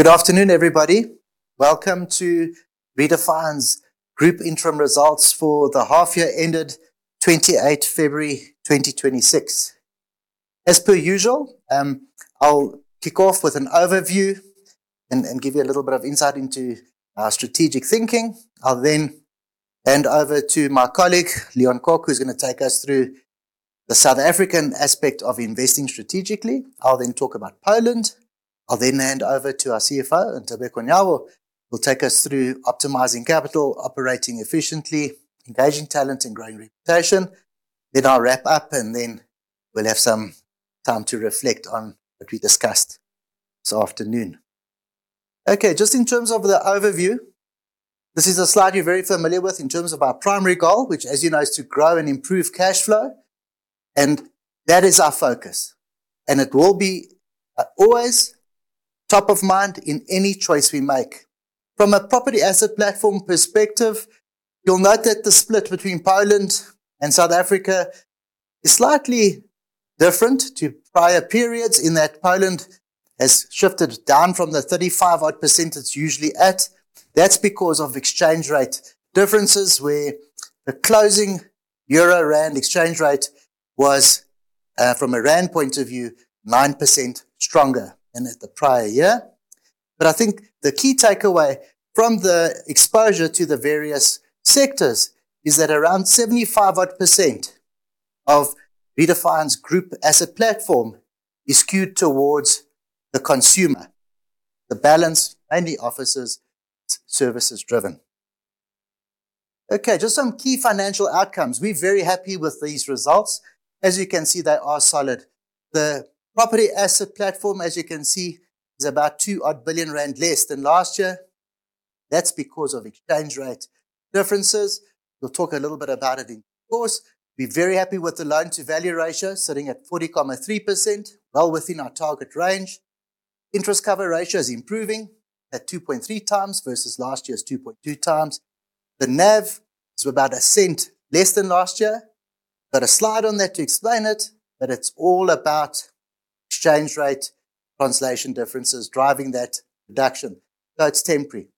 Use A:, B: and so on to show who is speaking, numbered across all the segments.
A: Good afternoon, everybody. Welcome to Redefine's group interim results for the half year ended 28 February 2026. As per usual, I'll kick off with an overview and give you a little bit of insight into our strategic thinking. I'll then hand over to my colleague, Leon Kok, who's gonna take us through the South African aspect of investing strategically. I'll then talk about Poland. I'll then hand over to our CFO, Ntobeko Nyawo, who will take us through optimizing capital, operating efficiently, engaging talent and growing reputation. I'll wrap up, and then we'll have some time to reflect on what we discussed this afternoon. Just in terms of the overview, this is a slide you're very familiar with in terms of our primary goal, which as you know, is to grow and improve cash flow, and that is our focus, and it will be always top of mind in any choice we make. From a property asset platform perspective, you'll note that the split between Poland and South Africa is slightly different to prior periods in that Poland has shifted down from the 35% odd it's usually at. That's because of exchange rate differences where the closing euro-rand exchange rate was from a rand point of view, 9% stronger than at the prior year. I think the key takeaway from the exposure to the various sectors is that around 75% odd of Redefine's group asset platform is skewed towards the consumer, the balance mainly offices services driven. Just some key financial outcomes. We are very happy with these results. As you can see, they are solid. The property asset platform, as you can see, is about 2 odd billion less than last year. That is because of exchange rate differences. We will talk a little bit about it in course. We are very happy with the loan to value ratio sitting at 40.3%, well within our target range. Interest cover ratio is improving at 2.3x versus last year's 2.2x. The NAV is about ZAR 0.01 less than last year. We have got a slide on there to explain it. It is all about exchange rate translation differences driving that reduction. It is temporary.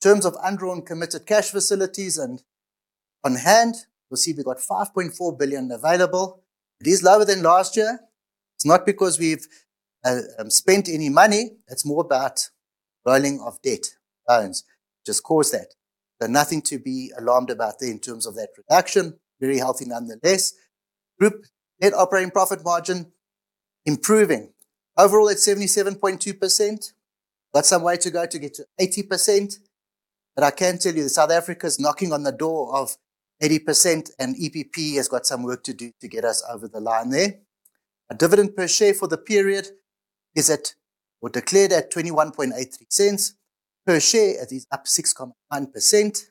A: In terms of undrawn committed cash facilities and on hand, you will see we have got 5.4 billion available. It is lower than last year. It is not because we have spent any money. It's more about rolling of debt loans which has caused that, but nothing to be alarmed about in terms of that reduction. Very healthy nonetheless. Group net operating profit margin improving. Overall at 77.2%. Got some way to go to get to 80%, but I can tell you that South Africa's knocking on the door of 80% and EPP has got some work to do to get us over the line there. Our dividend per share for the period is at, or declared at 0.2183 per share and is up 6.1%.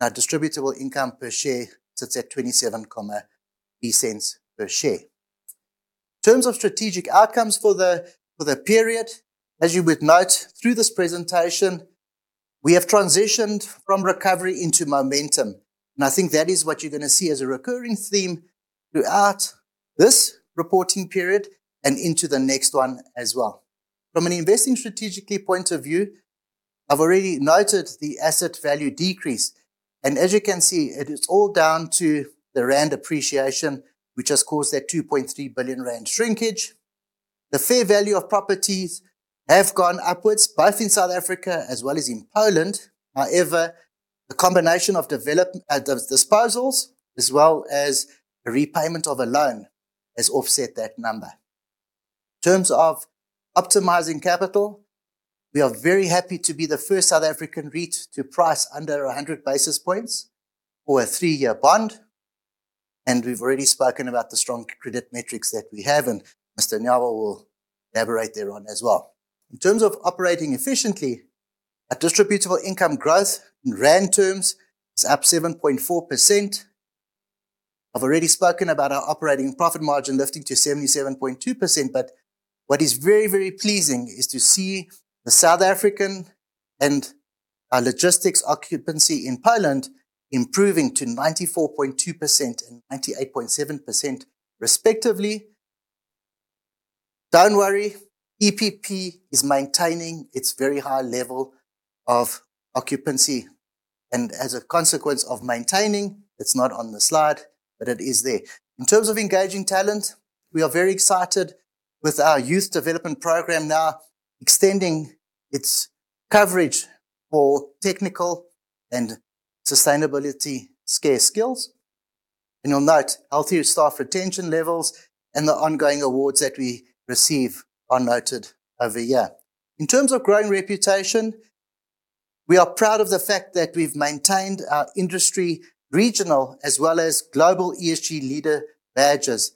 A: Our distributable income per share sits at 0.278 per share. In terms of strategic outcomes for the period, as you would note through this presentation, we have transitioned from recovery into momentum, and I think that is what you're gonna see as a recurring theme throughout this reporting period and into the next one as well. From an investing strategically point of view, I've already noted the asset value decrease, and as you can see, it is all down to the rand appreciation, which has caused that 2.3 billion rand shrinkage. The fair value of properties have gone upwards both in South Africa as well as in Poland. However, the combination of disposals as well as the repayment of a loan has offset that number. In terms of optimizing capital, we are very happy to be the first South African REIT to price under 100 basis points for a three-year bond. We've already spoken about the strong credit metrics that we have. Mr. Nyawo will elaborate thereon as well. In terms of operating efficiently, our distributable income growth in ZAR terms is up 7.4%. I've already spoken about our operating profit margin lifting to 77.2%. What is very, very pleasing is to see the South African and our logistics occupancy in Poland improving to 94.2% and 98.7% respectively. Don't worry, EPP is maintaining its very high level of occupancy. As a consequence of maintaining, it's not on the slide, it is there. In terms of engaging talent, we are very excited with our youth development program now extending its coverage for technical and sustainability scarce skills. You'll note healthy staff retention levels and the ongoing awards that we receive are noted over here. In terms of growing reputation, we are proud of the fact that we've maintained our industry regional as well as global ESG leader badges.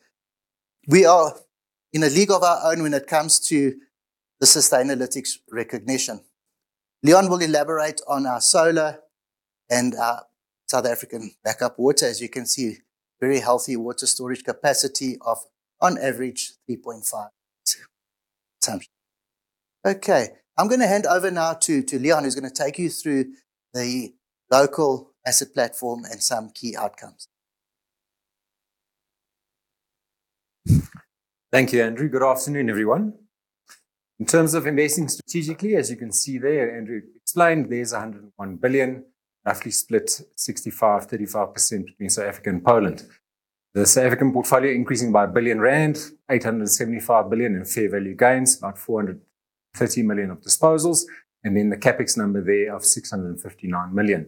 A: We are in a league of our own when it comes to the Sustainalytics recognition. Leon will elaborate on our solar and our South African backup water. As you can see, very healthy water storage capacity of on average 3.5 tons. Okay, I'm gonna hand over now to Leon, who's gonna take you through the local asset platform and some key outcomes.
B: Thank you, Andrew. Good afternoon, everyone. In terms of investing strategically, as you can see there, Andrew explained there's 101 billion roughly split 65%, 35% between South Africa and Poland. The South African portfolio increasing by 1 billion rand, 875 billion in fair value gains, about 430 million of disposals, and then the CapEx number there of 659 million.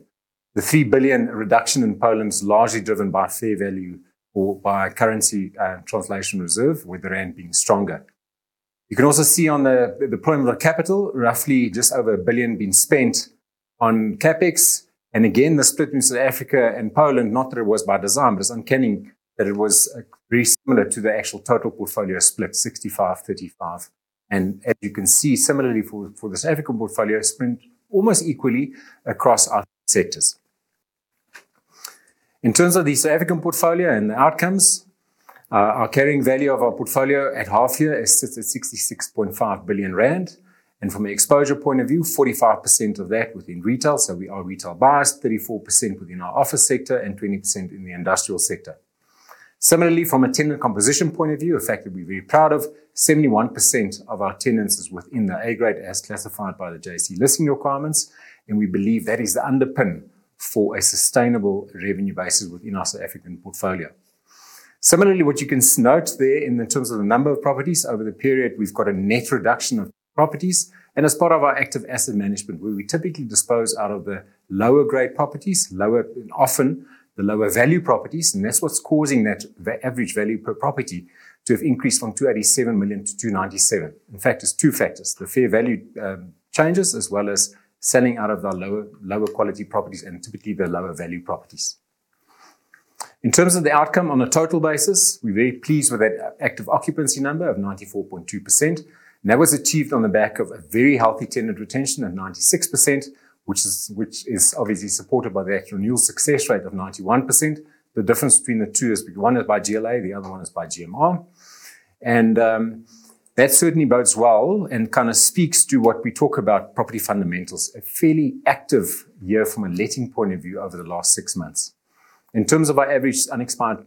B: The 3 billion reduction in Poland is largely driven by fair value or by currency translation reserve, with the rand being stronger. You can also see on the deployment of capital, roughly just over 1 billion being spent on CapEx. Again, the split between South Africa and Poland, not that it was by design, but it's uncanny that it was very similar to the actual total portfolio split 65%-35%. As you can see, similarly for the South African portfolio, spent almost equally across our sectors. In terms of the South African portfolio and the outcomes, our carrying value of our portfolio at half year sits at 66.5 billion rand. From an exposure point of view, 45% of that within retail, so we are retail biased, 34% within our office sector and 20% in the industrial sector. Similarly, from a tenant composition point of view, a factor we're very proud of, 71% of our tenants is within the A grade as classified by the JSE listing requirements, and we believe that is the underpin for a sustainable revenue basis within our South African portfolio. Similarly, what you can note there in terms of the number of properties over the period, we've got a net reduction of properties and as part of our active asset management, where we typically dispose out of the lower grade properties, lower often the lower value properties. That's what's causing that, the average value per property to have increased from 287 million to 297 million. In fact, there's two factors, the fair value changes, as well as selling out of our lower quality properties and typically the lower value properties. In terms of the outcome on a total basis, we're very pleased with that active occupancy number of 94.2%. That was achieved on the back of a very healthy tenant retention at 96%, which is obviously supported by the actual renewal success rate of 91%. The difference between the two is one is by GLA, the other one is by GMR. That certainly bodes well and kind of speaks to what we talk about property fundamentals. A fairly active year from a letting point of view over the last six months. In terms of our average unexpired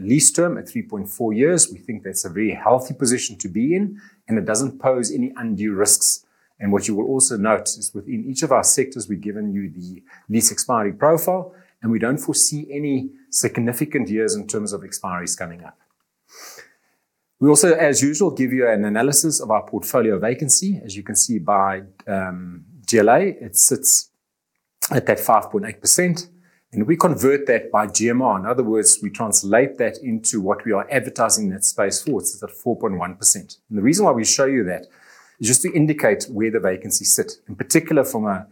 B: lease term at 3.4 years, we think that's a very healthy position to be in, and it doesn't pose any undue risks. What you will also note is within each of our sectors, we've given you the lease expiry profile, and we don't foresee any significant years in terms of expiries coming up. We also, as usual, give you an analysis of our portfolio vacancy. As you can see by GLA, it sits at that 5.8% and we convert that by GMR. In other words, we translate that into what we are advertising that space for. It's at 4.1%. The reason why we show you that is just to indicate where the vacancies sit, in particular from a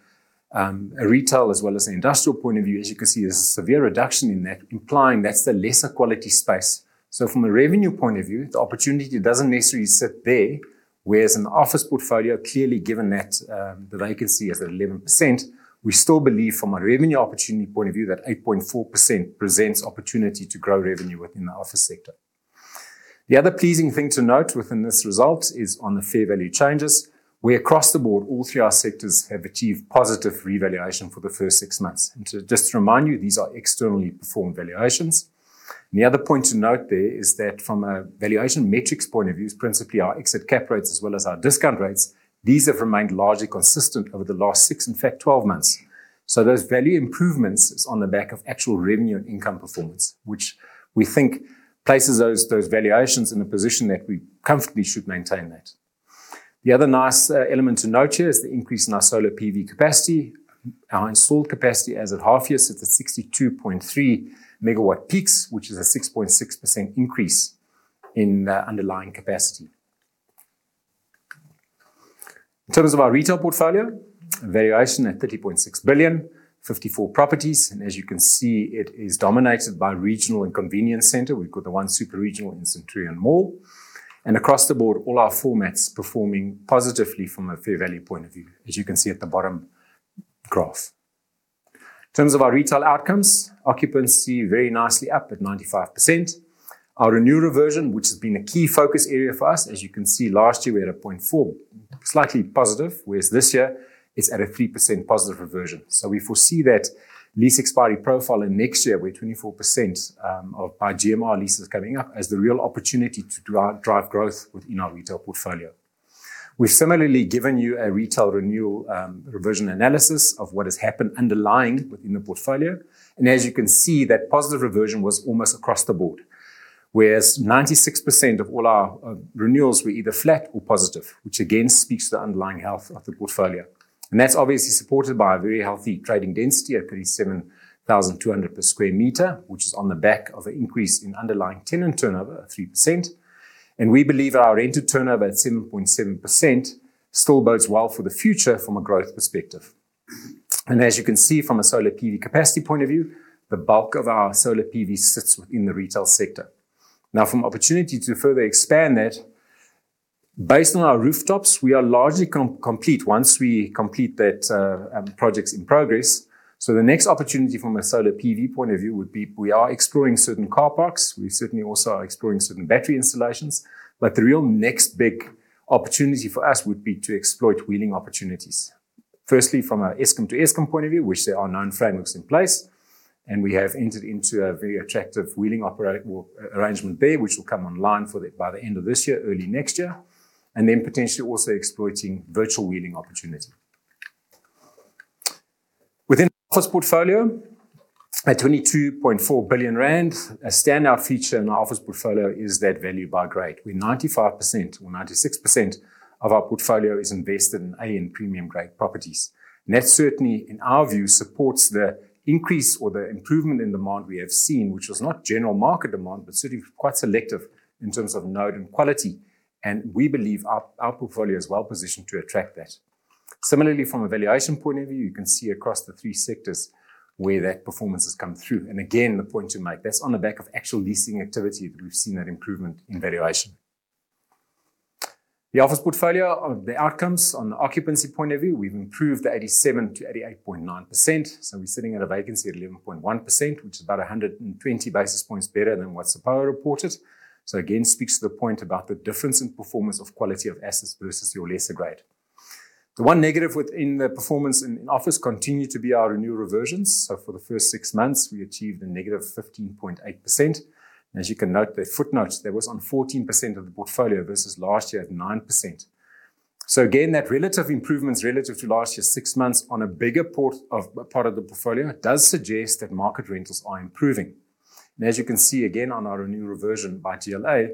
B: retail as well as an industrial point of view. As you can see, there's a severe reduction in that, implying that's the lesser quality space. From a revenue point of view, the opportunity doesn't necessarily sit there. Whereas an office portfolio, clearly given that the vacancy is at 11%, we still believe from a revenue opportunity point of view that 8.4% presents opportunity to grow revenue within the office sector. The other pleasing thing to note within this result is on the fair value changes, where across the board, all three of our sectors have achieved positive revaluation for the first six months. Just to remind you, these are externally performed valuations. The other point to note there is that from a valuation metrics point of view, principally our exit cap rates as well as our discount rates, these have remained largely consistent over the last six, in fact 12 months. Those value improvements is on the back of actual revenue and income performance, which we think places those valuations in a position that we comfortably should maintain that. The other nice element to note here is the increase in our solar PV capacity. Our installed capacity as at half year sits at 62.3 MW peaks, which is a 6.6% increase in the underlying capacity. In terms of our retail portfolio, valuation at 30.6 billion, 54 properties and as you can see, it is dominated by regional and convenience center. We've got the one super regional in Centurion Mall. Across the board, all our formats performing positively from a fair value point of view, as you can see at the bottom graph. In terms of our retail outcomes, occupancy very nicely up at 95%. Our renewal reversion, which has been a key focus area for us, as you can see last year we had a 0.4, slightly positive, whereas this year it's at a 3% positive reversion. We foresee that lease expiry profile in next year, where 24% of by GMR leases coming up as the real opportunity to drive growth within our retail portfolio. We've similarly given you a retail renewal reversion analysis of what has happened underlying within the portfolio. As you can see, that positive reversion was almost across the board, whereas 96% of all our renewals were either flat or positive, which again speaks to the underlying health of the portfolio. That's obviously supported by a very healthy trading density at 37,200 per sq m, which is on the back of an increase in underlying tenant turnover at 3%. We believe our rent-to-turnover at 7.7% still bodes well for the future from a growth perspective. As you can see from a solar PV capacity point of view, the bulk of our solar PV sits within the retail sector. Now, from opportunity to further expand that, based on our rooftops, we are largely complete once we complete that projects in progress. The next opportunity from a solar PV point of view would be we are exploring certain car parks. We certainly also are exploring certain battery installations. The real next big opportunity for us would be to exploit wheeling opportunities. Firstly, from an Eskom to Eskom point of view, which there are now frameworks in place. And we have entered into a very attractive wheeling arrangement there, which will come online by the end of this year, early next year, and then potentially also exploiting virtual wheeling opportunity. Within office portfolio, at 22.4 billion rand, a standout feature in our office portfolio is that value by grade, where 95% or 96% of our portfolio is invested in A and premium grade properties. That certainly, in our view, supports the increase or the improvement in demand we have seen, which was not general market demand, but certainly quite selective in terms of node and quality. We believe our portfolio is well-positioned to attract that. Similarly, from a valuation point of view, you can see across the three sectors where that performance has come through. Again, the point to make, that's on the back of actual leasing activity that we've seen that improvement in valuation. The office portfolio, the outcomes on the occupancy point of view, we've improved to 87%-88.9%. We're sitting at a vacancy at 11.1%, which is about 120 basis points better than what SAPOA reported. Again, speaks to the point about the difference in performance of quality of assets versus your lesser grade. The one negative within the performance in office continued to be our renewal reversions. For the first six months, we achieved a -15.8%. As you can note there, footnote, that was on 14% of the portfolio versus last year at 9%. Again, that relative improvements relative to last year's six months on a bigger part of the portfolio, it does suggest that market rentals are improving. As you can see, again, on our renewal reversion by GLA,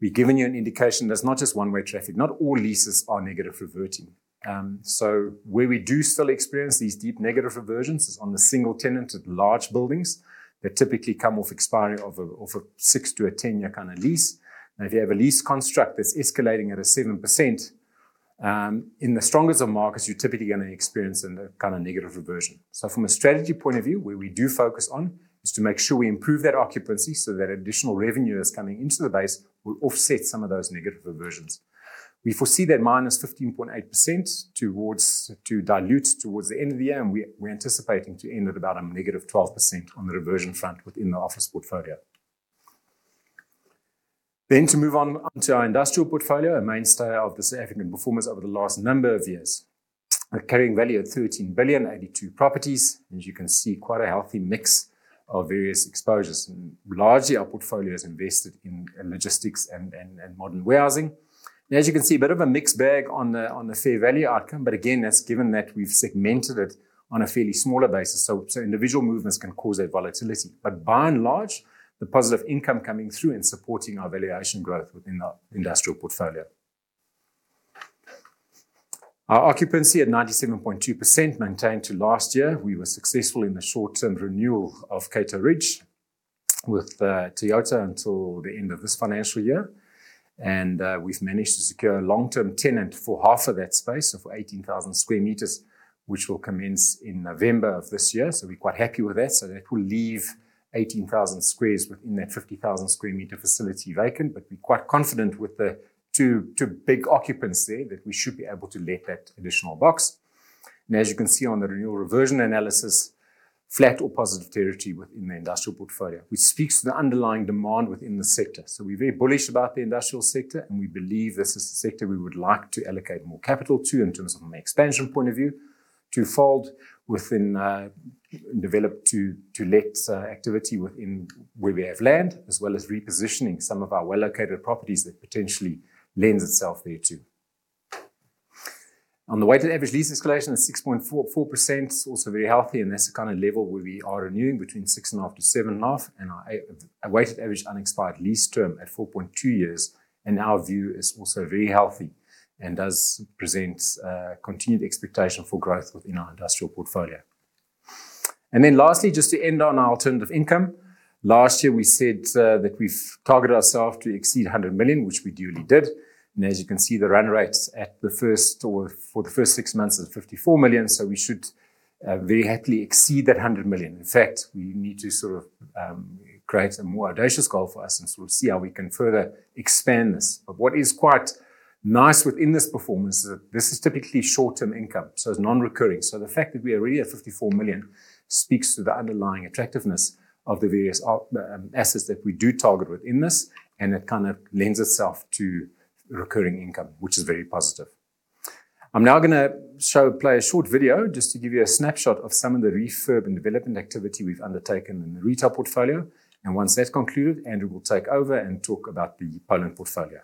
B: we've given you an indication that it's not just one-way traffic. Not all leases are negative reverting. Where we do still experience these deep negative reversions is on the single tenant at large buildings that typically come off expiry of a six to a 10-year kind of lease. If you have a lease construct that's escalating at a 7%, in the strongest of markets, you're typically gonna experience a kind of negative reversion. From a strategy point of view, where we do focus on, is to make sure we improve that occupancy so that additional revenue that's coming into the base will offset some of those negative reversions. We foresee that -15.8% to dilute towards the end of the year, we're anticipating to end at about a -12% on the reversion front within the office portfolio. To move onto our industrial portfolio, a mainstay of the South African performance over the last number of years. A carrying value of 13 billion, 82 properties. As you can see, quite a healthy mix of various exposures, and largely our portfolio is invested in logistics and modern warehousing. As you can see, a bit of a mixed bag on the fair value outcome. Again, that's given that we've segmented it on a fairly smaller basis, so individual movements can cause that volatility. By and large, the positive income coming through and supporting our valuation growth within our industrial portfolio. Our occupancy at 97.2% maintained to last year. We were successful in the short-term renewal of Cato Ridge with Toyota until the end of this financial year. We've managed to secure a long-term tenant for half of that space, so for 18,000 sq m, which will commence in November of this year. We're quite happy with that. That will leave 18,000 squares within that 50,000 sq m facility vacant, but we're quite confident with the two big occupants there that we should be able to let that additional box. As you can see on the renewal reversion analysis, flat or positive territory within the industrial portfolio, which speaks to the underlying demand within the sector. We're very bullish about the industrial sector, and we believe this is a sector we would like to allocate more capital to in terms from an expansion point of view, twofold within develop to let activity within where we have land, as well as repositioning some of our well-located properties that potentially lends itself thereto. On the weighted average lease escalation at 6.44%. Very healthy, that's the kind of level where we are renewing between 6.5%-7.5%. Our weighted average unexpired lease term at 4.2 years, in our view, is also very healthy and does present continued expectation for growth within our industrial portfolio. Lastly, just to end on our alternative income. Last year, we said that we've targeted ourself to exceed 100 million, which we duly did. As you can see, the run rate's at the first or for the first six months is 54 million, so we should very happily exceed that 100 million. In fact, we need to sort of create a more audacious goal for us and sort of see how we can further expand this. What is quite nice within this performance is that this is typically short-term income, so it's non-recurring. The fact that we are already at 54 million speaks to the underlying attractiveness of the various assets that we do target within this, and it kind of lends itself to recurring income, which is very positive. I'm now gonna play a short video just to give you a snapshot of some of the refurb and development activity we've undertaken in the retail portfolio. Once that's concluded, Andrew will take over and talk about the Poland portfolio.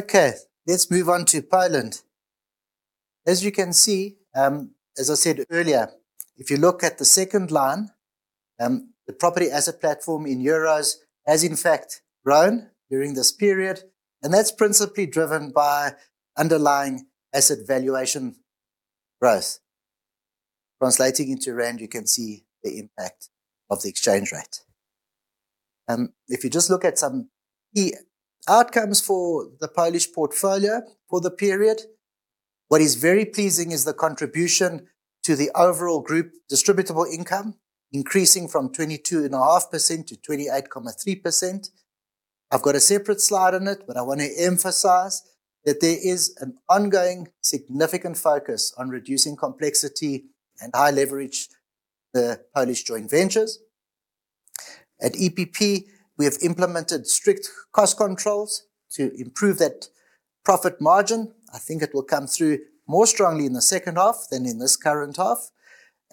B: Thank you.
A: Let's move on to Poland. As you can see, as I said earlier, if you look at the second line, the property asset platform in EUR has in fact grown during this period, and that's principally driven by underlying asset valuation growth. Translating into ZAR, you can see the impact of the exchange rate. If you just look at some key outcomes for the Polish portfolio for the period, what is very pleasing is the contribution to the overall group distributable income, increasing from 22.5% to 28.3%. I've got a separate slide on it, but I wanna emphasize that there is an ongoing significant focus on reducing complexity and high leverage, the Polish joint ventures. At EPP, we have implemented strict cost controls to improve that profit margin. I think it will come through more strongly in the second half than in this current half.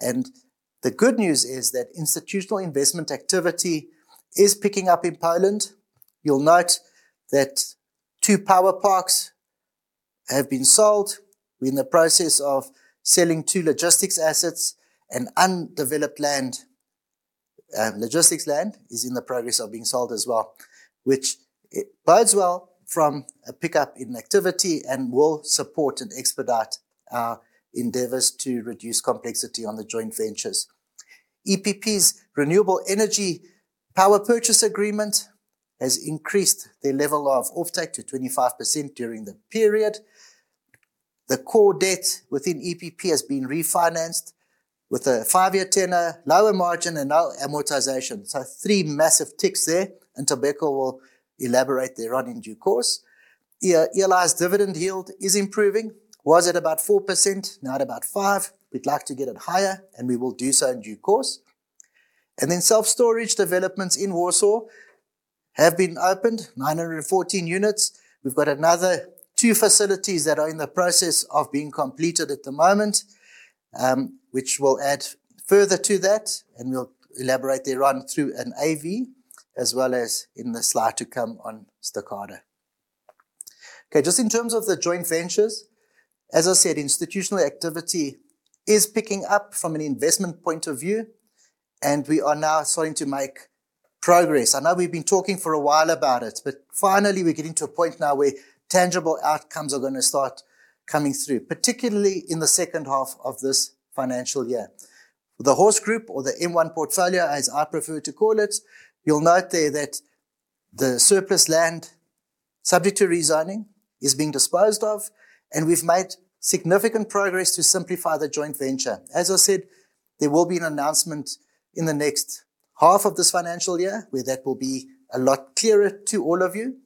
A: The good news is that institutional investment activity is picking up in Poland. You'll note that two Power Parks have been sold. We're in the process of selling two logistics assets and undeveloped land. Logistics land is in the progress of being sold as well, which it bodes well from a pickup in activity and will support and expedite our endeavors to reduce complexity on the joint ventures. EPP's renewable energy power purchase agreement has increased their level of offtake to 25% during the period. The core debt within EPP has been refinanced with a five-year tenor, lower margin and no amortization. Three massive ticks there, and Ntobeko will elaborate there on in due course. ELI's dividend yield is improving. Was at about 4%, now at about 5%. We'd like to get it higher, we will do so in due course. Self-storage developments in Warsaw have been opened, 914 units. We've got another two facilities that are in the process of being completed at the moment, which will add further to that, and we'll elaborate there on through an AV, as well as in the slide to come on Stokado. Okay, just in terms of the joint ventures, as I said, institutional activity is picking up from an investment point of view, and we are now starting to make progress. I know we've been talking for a while about it, but finally we're getting to a point now where tangible outcomes are gonna start coming through, particularly in the second half of this financial year. The Horse Group, or the M1 portfolio, as I prefer to call it, you'll note there that the surplus land subject to rezoning is being disposed of, and we've made significant progress to simplify the joint venture. As I said, there will be an announcement in the next half of this financial year where that will be a lot clearer to all of you.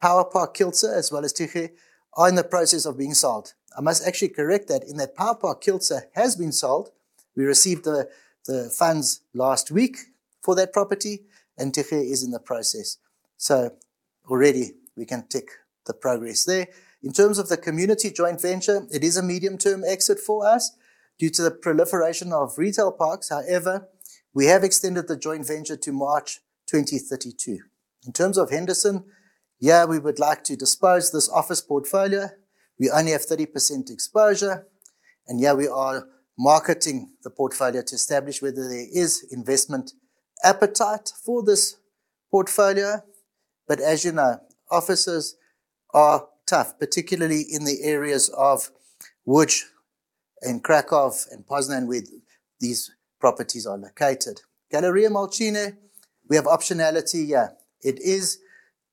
A: Power Park Kielce as well as Tychy are in the process of being sold. I must actually correct that in that Power Park Kielce has been sold. We received the funds last week for that property, and Tychy is in the process. Already we can tick the progress there. In terms of the community joint venture, it is a medium term exit for us due to the proliferation of retail parks. However, we have extended the joint venture to March 2032. In terms of Henderson, yeah, we would like to dispose this office portfolio. We only have 30% exposure, yeah, we are marketing the portfolio to establish whether there is investment appetite for this portfolio. As you know, offices are tough, particularly in the areas of Lodz and Kraków and Poznań where these properties are located. Galeria Młociny, we have optionality here. It is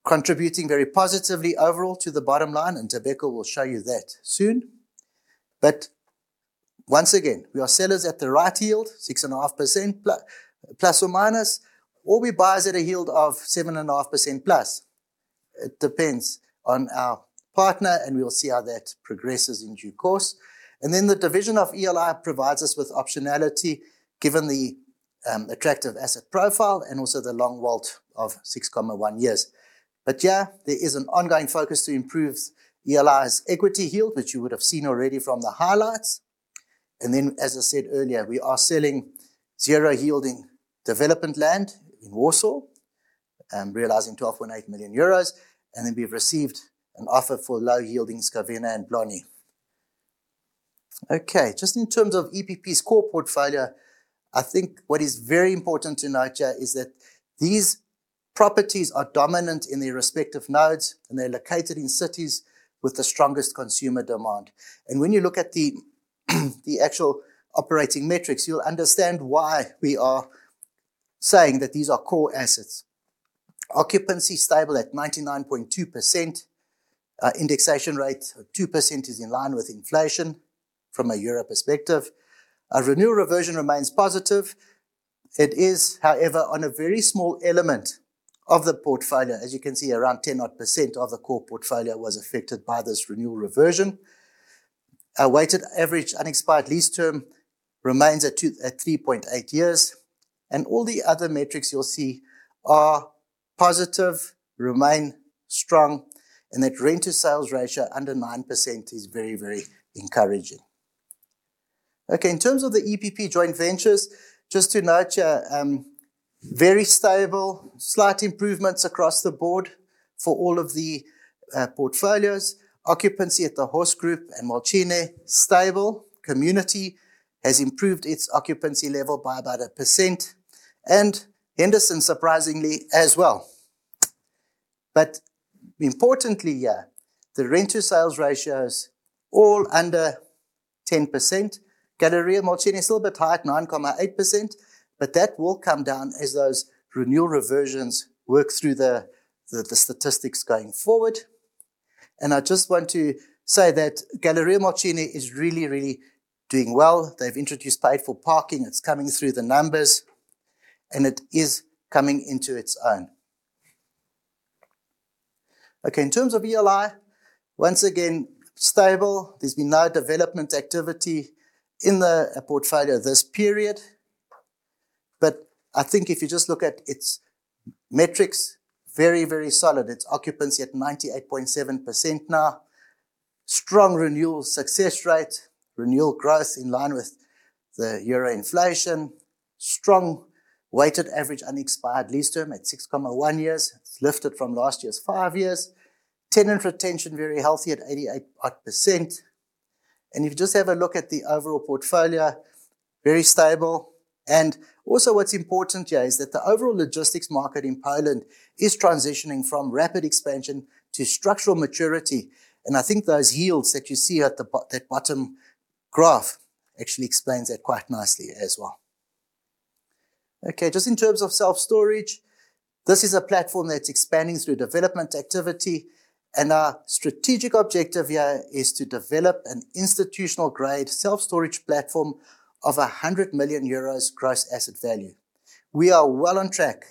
A: contributing very positively overall to the bottom line, Ntobeko Nyawo will show you that soon. Once again, we are sellers at the right yield, 6.5%±, or we buy is at a yield of 7.5%+. It depends on our partner, we'll see how that progresses in due course. The division of ELI provides us with optionality given the attractive asset profile and also the long WALT of 6.1 years. There is an ongoing focus to improve ELI's equity yield, which you would have seen already from the highlights. As I said earlier, we are selling zero yielding development land in Warsaw, realizing 12.8 million euros, and then we've received an offer for low yielding Skawina and Błonie. Just in terms of EPP's core portfolio, I think what is very important to note here is that these properties are dominant in their respective nodes, and they're located in cities with the strongest consumer demand. When you look at the actual operating metrics, you'll understand why we are saying that these are core assets. Occupancy stable at 99.2%. Indexation rate of 2% is in line with inflation from a EUR perspective. Our renewal reversion remains positive. It is, however, on a very small element of the portfolio. As you can see, around 10% odd of the core portfolio was affected by this renewal reversion. Our weighted average unexpired lease term remains at 3.8 years, and all the other metrics you'll see are positive, remain strong, and that rent to sales ratio under 9% is very, very encouraging. Okay, in terms of the EPP joint ventures, just to note, very stable, slight improvements across the board for all of the portfolios. Occupancy at the Horse Group and Młociny stable. EPP Community has improved its occupancy level by about 1%, and Henderson surprisingly as well. Importantly here, the rent to sales ratio is all under 10%. Galeria Młociny is a little bit higher at 9.8%, that will come down as those renewal reversions work through the statistics going forward. I just want to say that Galeria Młociny is really doing well. They've introduced paid for parking. It's coming through the numbers, it is coming into its own. Okay, in terms of ELI, once again, stable. There's been no development activity in the portfolio this period. I think if you just look at its metrics, very solid. Its occupancy at 98.7% now. Strong renewal success rate. Renewal growth in line with the Euro inflation. Strong weighted average unexpired lease term at 6.1 years. It's lifted from last year's five years. Tenant retention very healthy at 88% odd. If you just have a look at the overall portfolio, very stable. Also, what's important here is that the overall logistics market in Poland is transitioning from rapid expansion to structural maturity, I think those yields that you see at the bottom graph actually explains that quite nicely as well. Just in terms of self-storage, this is a platform that's expanding through development activity, our strategic objective here is to develop an institutional grade self-storage platform of 100 million euros gross asset value. We are well on track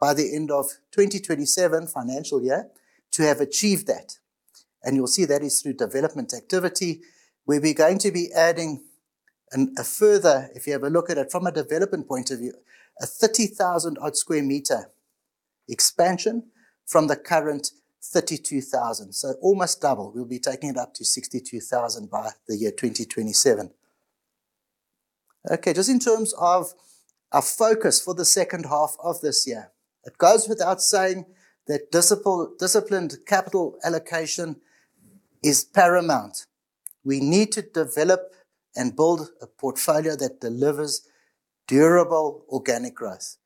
A: by the end of 2027 financial year to have achieved that, and you'll see that is through development activity, where we're going to be adding a further, if you have a look at it from a development point of view, a 30,000 sq m odd expansion from the current 32,000 sq m, so almost double. We'll be taking it up to 62,000 sq m by the year 2027. Okay, just in terms of our focus for the second half of this year, it goes without saying that disciplined capital allocation is paramount. We need to develop and build a portfolio that delivers durable organic growth.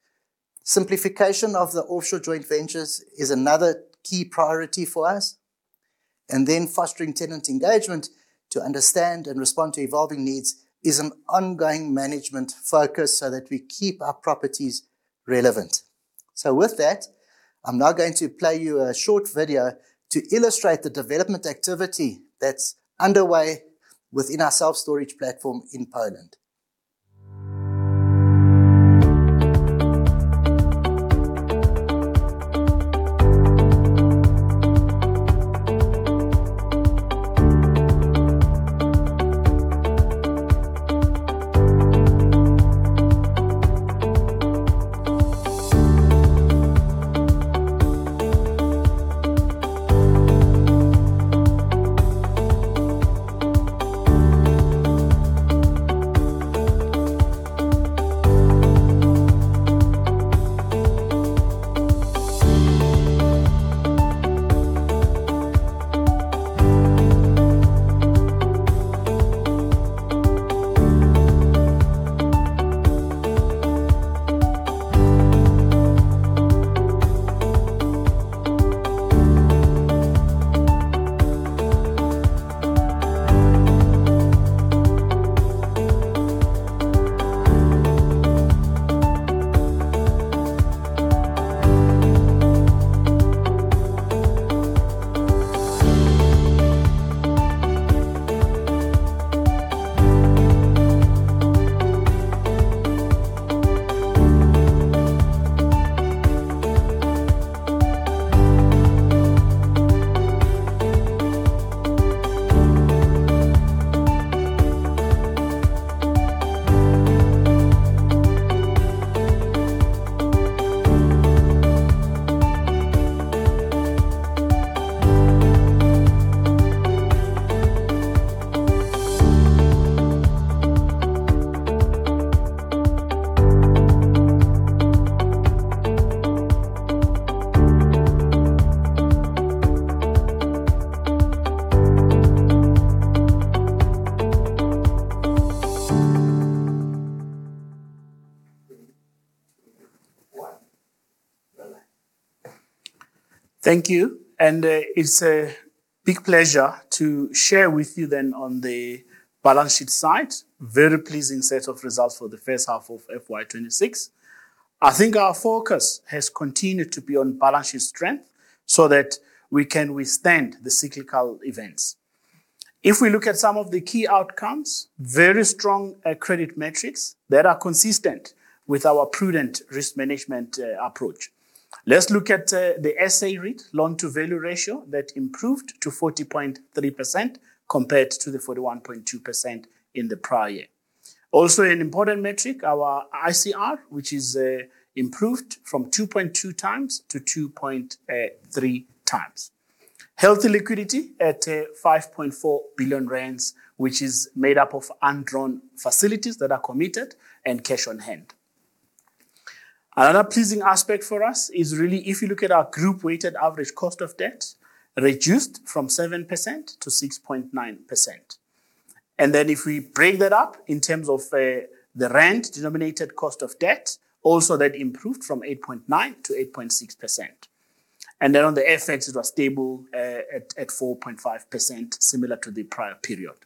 A: Simplification of the offshore joint ventures is another key priority for us, and then fostering tenant engagement to understand and respond to evolving needs is an ongoing management focus so that we keep our properties relevant. With that, I'm now going to play you a short video to illustrate the development activity that's underway within our self-storage platform in Poland.
C: Thank you. It's a big pleasure to share with you on the balance sheet side. Very pleasing set of results for the first half of FY 2026. I think our focus has continued to be on balance sheet strength so that we can withstand the cyclical events. If we look at some of the key outcomes, very strong credit metrics that are consistent with our prudent risk management approach. Let's look at the SA REIT loan-to-value ratio that improved to 40.3% compared to the 41.2% in the prior year. An important metric, our ICR, which is improved from 2.2x to 2.3x. Healthy liquidity at 5.4 billion rand, which is made up of undrawn facilities that are committed and cash on hand. Another pleasing aspect for us is really if you look at our group weighted average cost of debt reduced from 7% to 6.9%. If we break that up in terms of the ZAR-denominated cost of debt, also that improved from 8.9% to 8.6%. On the FX it was stable at 4.5%, similar to the prior period.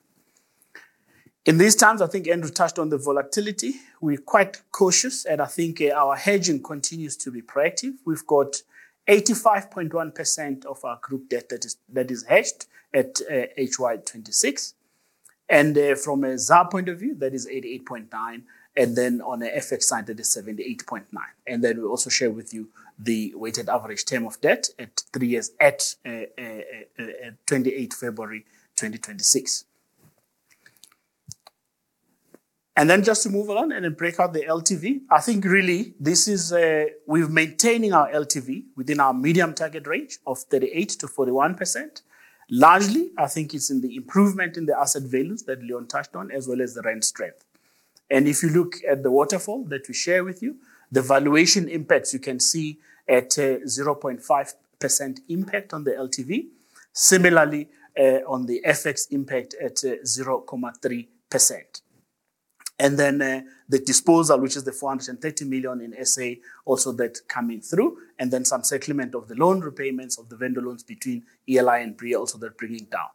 C: In these times, I think Andrew touched on the volatility. We're quite cautious, and I think our hedging continues to be proactive. We've got 85.1% of our group debt that is hedged at FY 2026. From a ZAR point of view, that is 88.9%, and then on the FX side that is 78.9%. We also share with you the weighted average term of debt at three years at February 28, 2026. Just to move along to break out the LTV. I think really this is, we're maintaining our LTV within our medium target range of 38%-41%. Largely, I think it's in the improvement in the asset values that Leon touched on, as well as the rand strength. If you look at the waterfall that we share with you, the valuation impacts you can see at 0.5% impact on the LTV. Similarly, on the FX impact at 0.3%. Then, the disposal, which is the 430 million in SA also that coming through, and then some settlement of the loan repayments of the vendor loans between ELI and BRI also they're bringing down.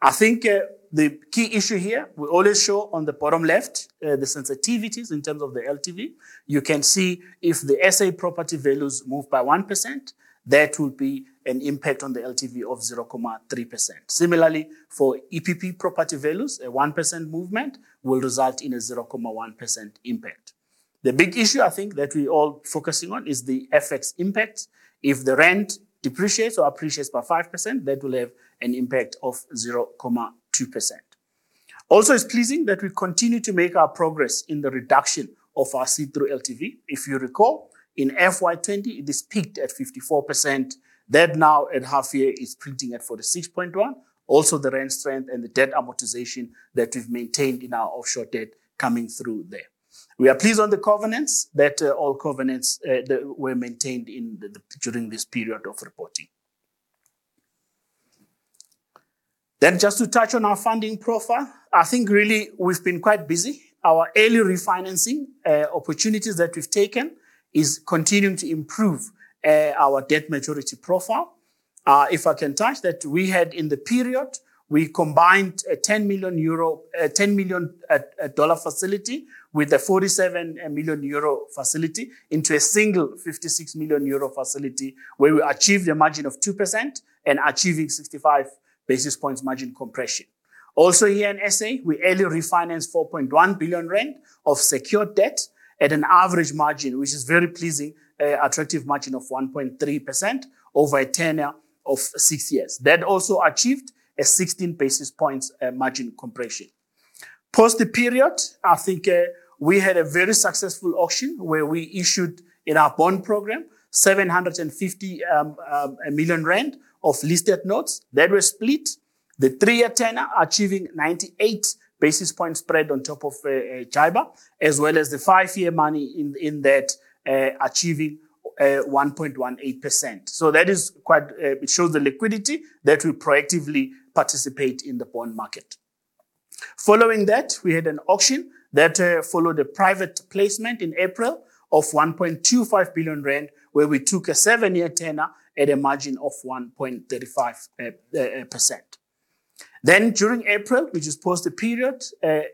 C: I think, the key issue here, we always show on the bottom left, the sensitivities in terms of the LTV. You can see if the SA property values move by 1%, that will be an impact on the LTV of 0.3%. Similarly, for EPP property values, a 1% movement will result in a 0.1% impact. The big issue I think that we're all focusing on is the FX impact. If the rand depreciates or appreciates by 5%, that will have an impact of 0.2%. It's pleasing that we continue to make our progress in the reduction of our see-through LTV. If you recall, in FY 2020 it is peaked at 54%. That now at half year is printing at 46.1%. The rand strength and the debt amortization that we've maintained in our offshore debt coming through there. We are pleased on the covenants that all covenants that were maintained in the during this period of reporting. Just to touch on our funding profile, I think really we've been quite busy. Our early refinancing opportunities that we've taken is continuing to improve our debt maturity profile. If I can touch that, we had in the period, we combined a $10 million facility with a 47 million euro facility into a single 56 million euro facility, where we achieved a margin of 2% and achieving 65 basis points margin compression. Here in SA, we early refinanced 4.1 billion rand of secured debt at an average margin, which is very pleasing, attractive margin of 1.3% over a tenor of six years. That also achieved a 16 basis points margin compression. Post the period, I think, we had a very successful auction where we issued in our bond program 750 million rand of listed notes that were split, the three-year tenor achieving 98 basis points spread on top of JIBAR, as well as the five-year money in that, achieving 1.18%. Following that, we had an auction that followed a private placement in April of 1.25 billion rand, where we took a seven-year tenor at a margin of 1.35%. During April, which is post the period,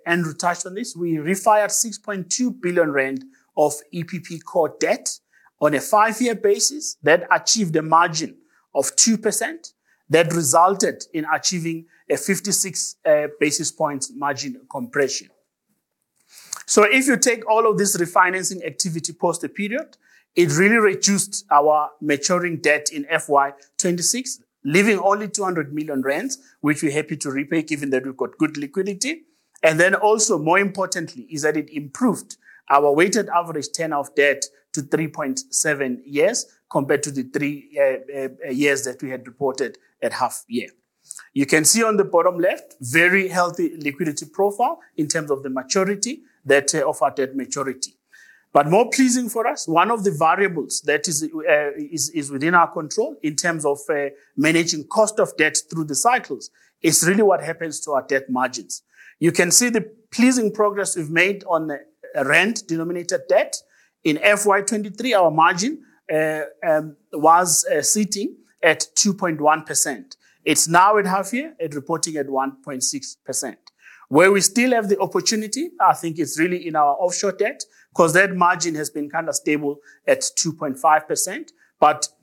C: Andrew touched on this, we refi-ed 6.2 billion rand of EPP core debt on a five-year basis that achieved a margin of 2% that resulted in achieving a 56 basis points margin compression. If you take all of this refinancing activity post the period, it really reduced our maturing debt in FY 2026, leaving only 200 million rand, which we're happy to repay given that we've got good liquidity. Also more importantly is that it improved our weighted average tenor of debt to 3.7 years compared to the three years that we had reported at half year. You can see on the bottom left, very healthy liquidity profile in terms of the maturity that of our debt maturity. More pleasing for us, one of the variables that is within our control in terms of managing cost of debt through the cycles is really what happens to our debt margins. You can see the pleasing progress we've made on the rand-denominated debt. In FY 2023, our margin was sitting at 2.1%. It is now at half year at reporting at 1.6%. Where we still have the opportunity, I think it is really in our offshore debt, 'cause that margin has been kind of stable at 2.5%.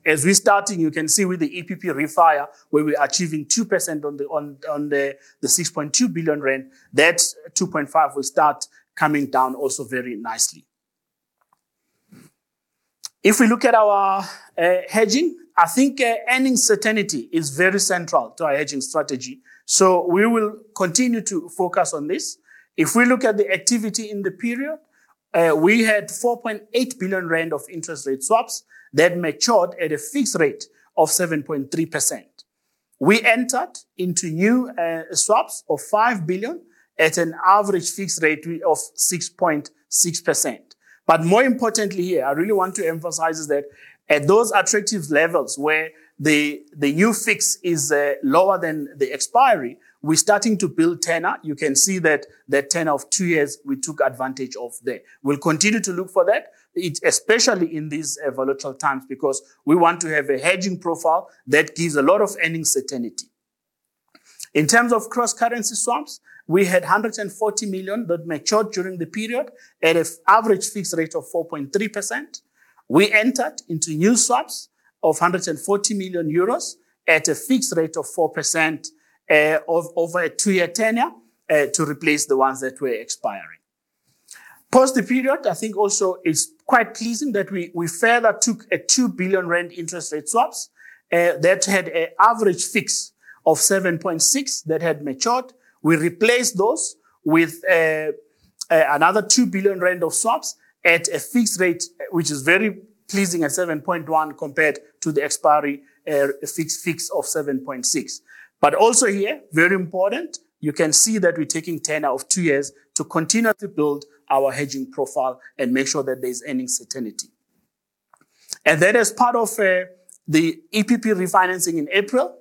C: As we starting, you can see with the EPP refi, where we are achieving 2% on the 6.2 billion rand, that 2.5% will start coming down also very nicely. If we look at our hedging, I think earning certainty is very central to our hedging strategy. We will continue to focus on this. If we look at the activity in the period, we had 4.8 billion rand of interest rate swaps that matured at a fixed rate of 7.3%. We entered into new swaps of 5 billion at an average fixed rate of 6.6%. More importantly here, I really want to emphasize is that at those attractive levels where the new fix is lower than the expiry, we're starting to build tenor. You can see that the tenor of two years, we took advantage of there. We'll continue to look for that, especially in these volatile times because we want to have a hedging profile that gives a lot of earning certainty. In terms of cross currency swaps, we had 140 million that matured during the period at an average fixed rate of 4.3%. We entered into new swaps of 140 million euros at a fixed rate of 4% over a two-year tenor to replace the ones that were expiring. Post the period, I think also it's quite pleasing that we further took a 2 billion rand interest rate swaps that had a average fix of 7.6% that had matured. We replaced those with another 2 billion rand of swaps at a fixed rate, which is very pleasing at 7.1% compared to the expiry fix of 7.6%. Also here, very important, you can see that we're taking tenor of two years to continue to build our hedging profile and make sure that there's earning certainty. As part of the EPP refinancing in April,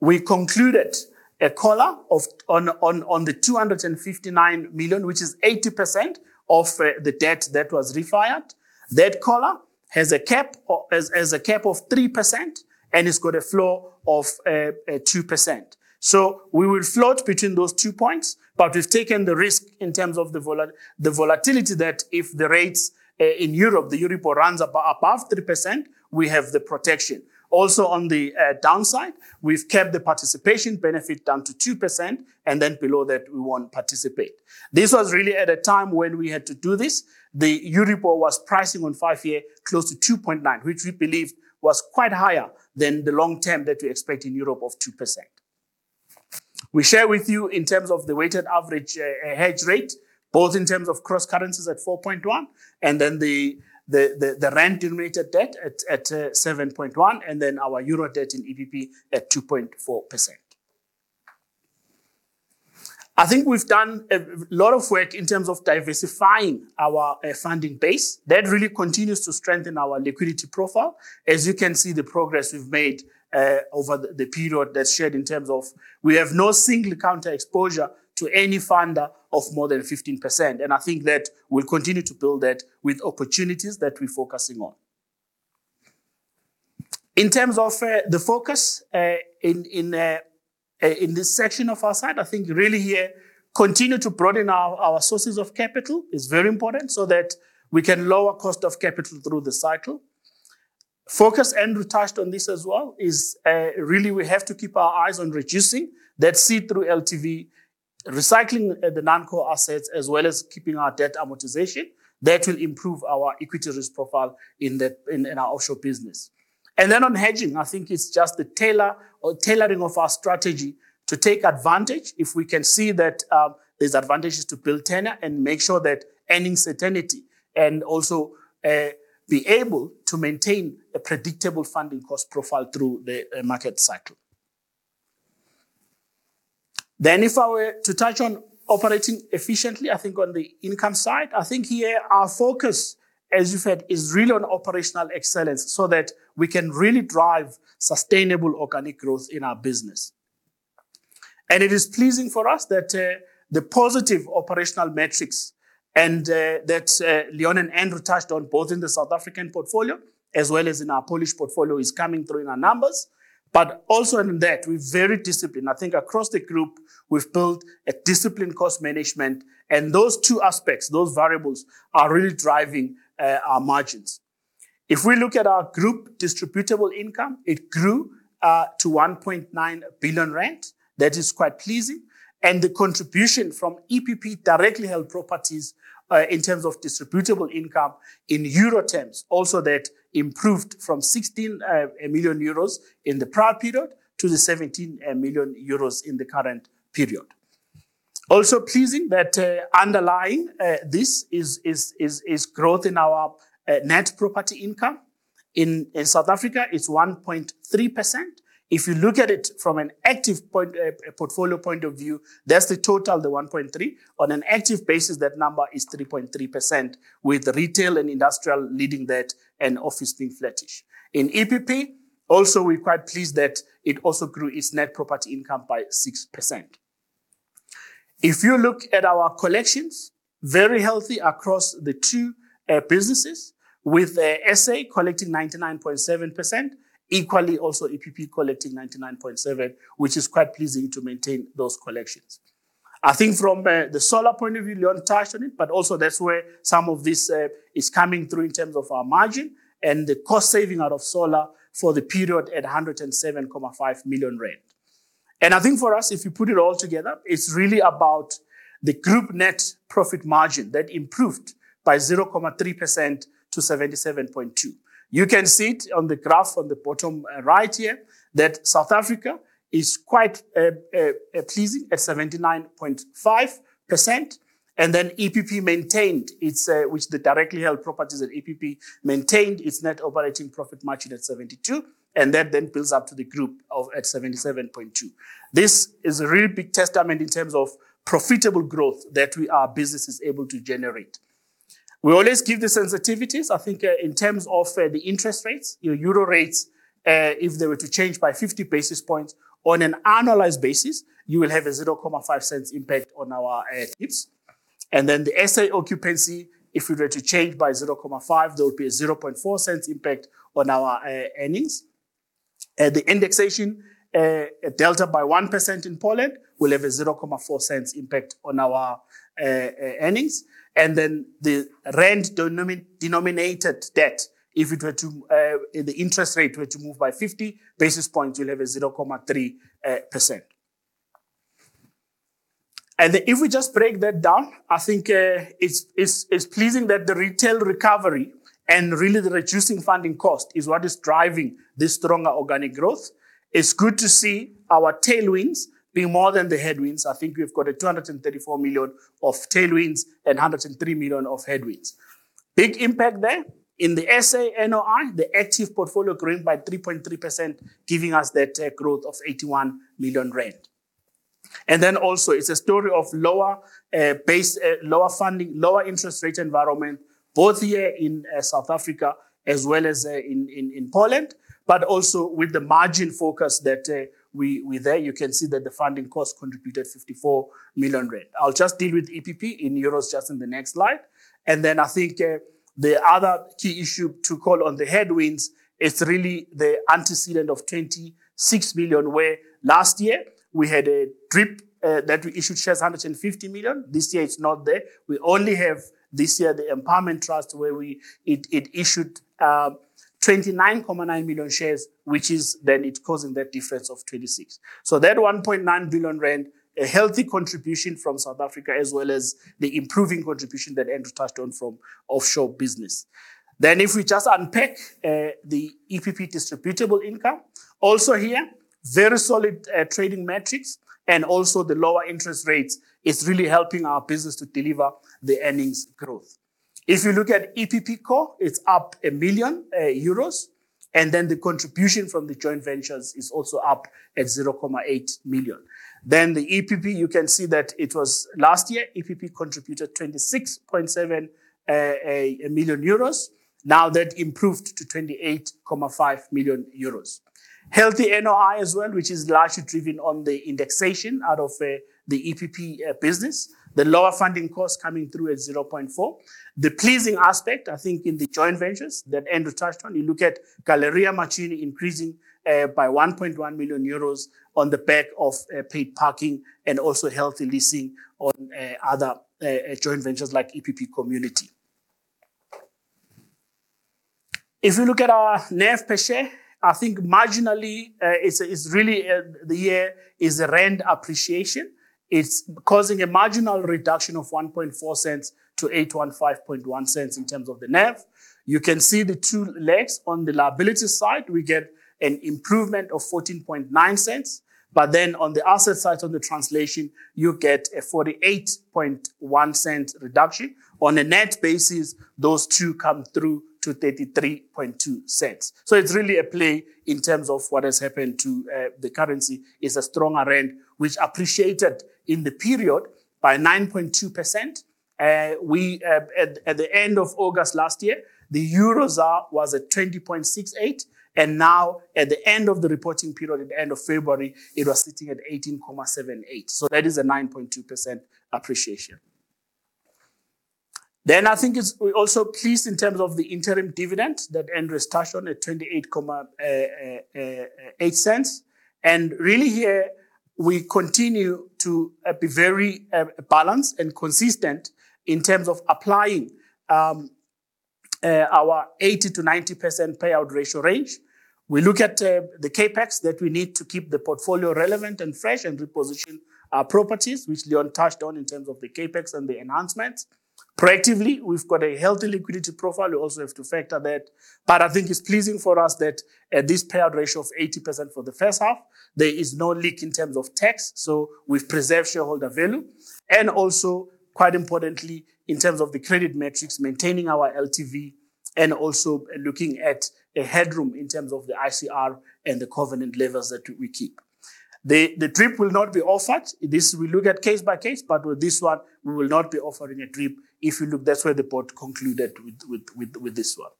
C: we concluded a collar of 259 million, which is 80% of the debt that was refi-ed. That collar has a cap of 3% and it's got a flow of 2%. We will float between those two points, but we've taken the risk in terms of the volatility that if the rates in Europe, the Euribor runs above 3%, we have the protection. Also on the downside, we've capped the participation benefit down to 2%. Below that we won't participate. This was really at a time when we had to do this. The Euribor was pricing on five year close to 2.9%, which we believed was quite higher than the long term that we expect in Europe of 2%. We share with you in terms of the weighted average hedge rate, both in terms of cross currencies at 4.1% and then the rand-denominated debt at 7.1%, and then our euro debt in EPP at 2.4%. I think we've done a lot of work in terms of diversifying our funding base. That really continues to strengthen our liquidity profile. As you can see, the progress we've made over the period that's shared in terms of we have no single counter exposure to any funder of more than 15%, and I think that we'll continue to build that with opportunities that we're focusing on. In terms of the focus in this section of our side, I think really here continue to broaden our sources of capital is very important so that we can lower cost of capital through the cycle. Focus, and we touched on this as well, is really we have to keep our eyes on reducing that see-through LTV, recycling the non-core assets, as well as keeping our debt amortization. That will improve our equity risk profile in our offshore business. On hedging, I think it's just the tailoring of our strategy to take advantage if we can see that there's advantages to build tenor and make sure that earning certainty and also be able to maintain a predictable funding cost profile through the market cycle. If I were to touch on operating efficiently, I think on the income side, I think here our focus, as you've heard, is really on operational excellence so that we can really drive sustainable organic growth in our business. It is pleasing for us that the positive operational metrics and that Leon and Andrew touched on both in the South African portfolio as well as in our Polish portfolio is coming through in our numbers. Also in that, we're very disciplined. I think across the group we've built a disciplined cost management, and those two aspects, those variables are really driving our margins. If we look at our group distributable income, it grew to 1.9 billion rand. That is quite pleasing. The contribution from EPP directly held properties, in terms of distributable income in euro terms, also that improved from 16 million euros in the prior period to the 17 million euros in the current period. Also pleasing that, underlying, this is growth in our net property income. In South Africa it's 1.3%. If you look at it from an active point, portfolio point of view, that's the total, the 1.3%. On an active basis, that number is 3.3% with retail and industrial leading that and office being flattish. In EPP, also we're quite pleased that it also grew its net property income by 6%. If you look at our collections, very healthy across the two businesses, with SA collecting 99.7%. Equally also EPP collecting 99.7%, which is quite pleasing to maintain those collections. I think from the solar point of view, Leon touched on it, but also that is where some of this is coming through in terms of our margin and the cost saving out of solar for the period at 107.5 million rand. I think for us, if you put it all together, it is really about the group net profit margin that improved by 0.3% to 77.2%. You can see it on the graph on the bottom right here, that South Africa is quite pleasing at 79.5%. EPP maintained its, which the directly held properties at EPP maintained its net operating profit margin at 72%, and that then builds up to the group of, at 77.2%. This is a really big testament in terms of profitable growth that we, our business is able to generate. We always give the sensitivities. I think, in terms of the interest rates, you know, Euro rates, if they were to change by 50 basis points, on an annualized basis you will have a 0.005 impact on our EPS. The SA occupancy, if we were to change by 0.5%, there would be a 0.004 impact on our earnings. The indexation, a delta by 1% in Poland will have a 0.004 impact on our earnings. The ZAR-denominated debt, if it were to, if the interest rate were to move by 50 basis points, you'll have a 0.3%. If we just break that down, I think, it's pleasing that the retail recovery and really the reducing funding cost is what is driving this stronger organic growth. It's good to see our tailwinds being more than the headwinds. I think we've got 234 million of tailwinds and 103 million of headwinds. Big impact there. In the SA NOI, the active portfolio grew by 3.3%, giving us that growth of 81 million rand. It's also a story of lower base, lower funding, lower interest rate environment both here in South Africa as well as in Poland, but also with the margin focus that there you can see that the funding cost contributed 54 million rand. I'll just deal with EPP in euros just in the next slide. I think the other key issue to call on the headwinds is really the antecedent of 26 million, where last year we had a DRIP that we issued shares, 150 million. This year it's not there. We only have this year the empowerment trust where we, it issued 29.9 million shares, which is then it causing that difference of 26 million. That 1.9 billion rand, a healthy contribution from South Africa as well as the improving contribution that Andrew touched on from offshore business. If we just unpack the EPP distributable income, also here very solid trading metrics, and also the lower interest rates is really helping our business to deliver the earnings growth. If you look at EPP core, it's up 1 million euros, the contribution from the joint ventures is also up at 0.8 million. The EPP, you can see that it was last year EPP contributed 26.7 million euros. That improved to 28.5 million euros. Healthy NOI as well, which is largely driven on the indexation out of the EPP business. The lower funding costs coming through at 0.4. The pleasing aspect I think in the joint ventures that Andrew touched on, you look at Galeria Młociny increasing by 1.1 million euros on the back of paid parking and also healthy leasing on other joint ventures like EPP Community. If we look at our NAV per share, I think marginally, it's really the year is a rand appreciation. It's causing a marginal reduction of 0.014 to 8.151 in terms of the NAV. You can see the two legs. On the liability side we get an improvement of 0.149, on the asset side, on the translation, you get a 0.481 reduction. On a net basis, those two come through to 0.332. It's really a play in terms of what has happened to the currency, is a stronger rand, which appreciated in the period by 9.2%. We, at the end of August last year, the EUR/ZAR was at 20.68%, and now at the end of the reporting period, at the end of February, it was sitting at 18.78%. That is a 9.2% appreciation. I think it's, we're also pleased in terms of the interim dividend that Andrew touched on at ZAR 0.288. Really here we continue to be very balanced and consistent in terms of applying our 80%-90% payout ratio range. We look at the CapEx that we need to keep the portfolio relevant and fresh and reposition our properties, which Leon Kok touched on in terms of the CapEx and the enhancements. Proactively, we've got a healthy liquidity profile. We also have to factor that. I think it's pleasing for us that at this payout ratio of 80% for the first half, there is no leak in terms of tax, so we've preserved shareholder value. Also, quite importantly, in terms of the credit metrics, maintaining our LTV and also looking at a headroom in terms of the ICR and the covenant levels that we keep. The DRIP will not be offered. This we look at case by case, but with this one, we will not be offering a DRIP. If you look, that's where the board concluded with this one.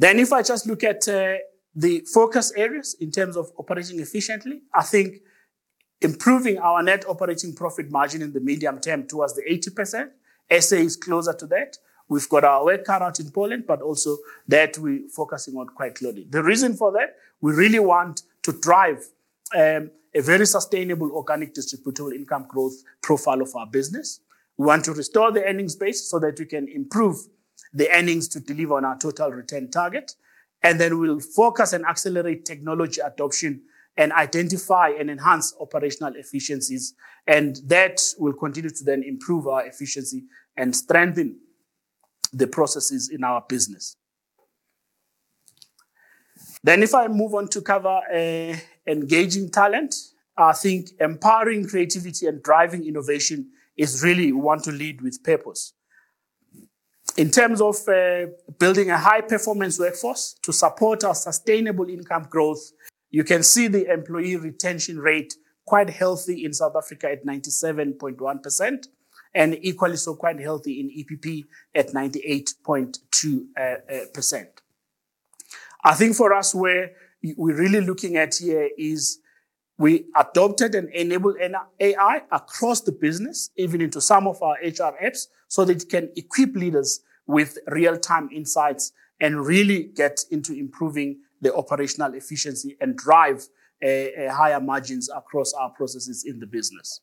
C: If I just look at the focus areas in terms of operating efficiently, I think improving our net operating profit margin in the medium term towards the 80%. SA is closer to that. We've got our work cut out in Poland, also that we're focusing on quite clearly. The reason for that, we really want to drive a very sustainable organic distributable income growth profile of our business. We want to restore the earnings base so that we can improve the earnings to deliver on our total return target, and then we'll focus and accelerate technology adoption and identify and enhance operational efficiencies. That will continue to then improve our efficiency and strengthen the processes in our business. If I move on to cover engaging talent, I think empowering creativity and driving innovation is really we want to lead with purpose. In terms of building a high performance workforce to support our sustainable income growth, you can see the employee retention rate quite healthy in South Africa at 97.1% and equally so quite healthy in EPP at 98.2%. I think for us, where we're really looking at here is we adopted and enabled an AI across the business, even into some of our HR apps, so that it can equip leaders with real-time insights and really get into improving the operational efficiency and drive higher margins across our processes in the business.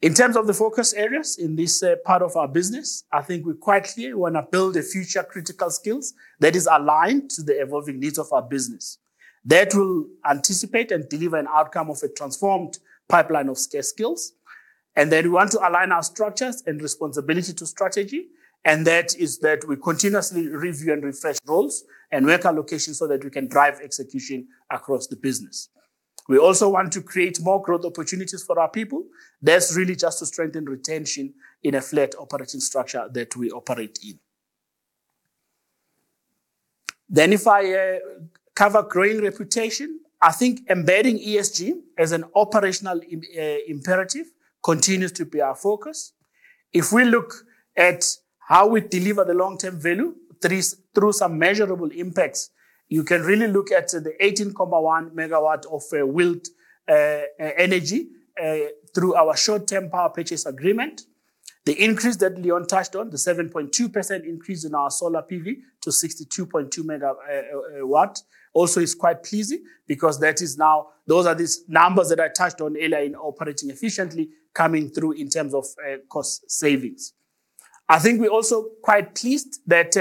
C: In terms of the focus areas in this part of our business, I think we're quite clear we wanna build a future critical skills that is aligned to the evolving needs of our business that will anticipate and deliver an outcome of a transformed pipeline of scarce skills. We want to align our structures and responsibility to strategy, and that is that we continuously review and refresh roles and work allocation so that we can drive execution across the business. We also want to create more growth opportunities for our people. That's really just to strengthen retention in a flat operating structure that we operate in. If I cover growing reputation, I think embedding ESG as an operational imperative continues to be our focus. If we look at how we deliver the long-term value through some measurable impacts, you can really look at the 18.1 MW of wheeled energy through our short-term power purchase agreement. The increase that Leon touched on, the 7.2% increase in our solar PV to 62.2 MW also is quite pleasing because that is now those are these numbers that I touched on earlier in operating efficiently coming through in terms of cost savings. I think we're also quite pleased that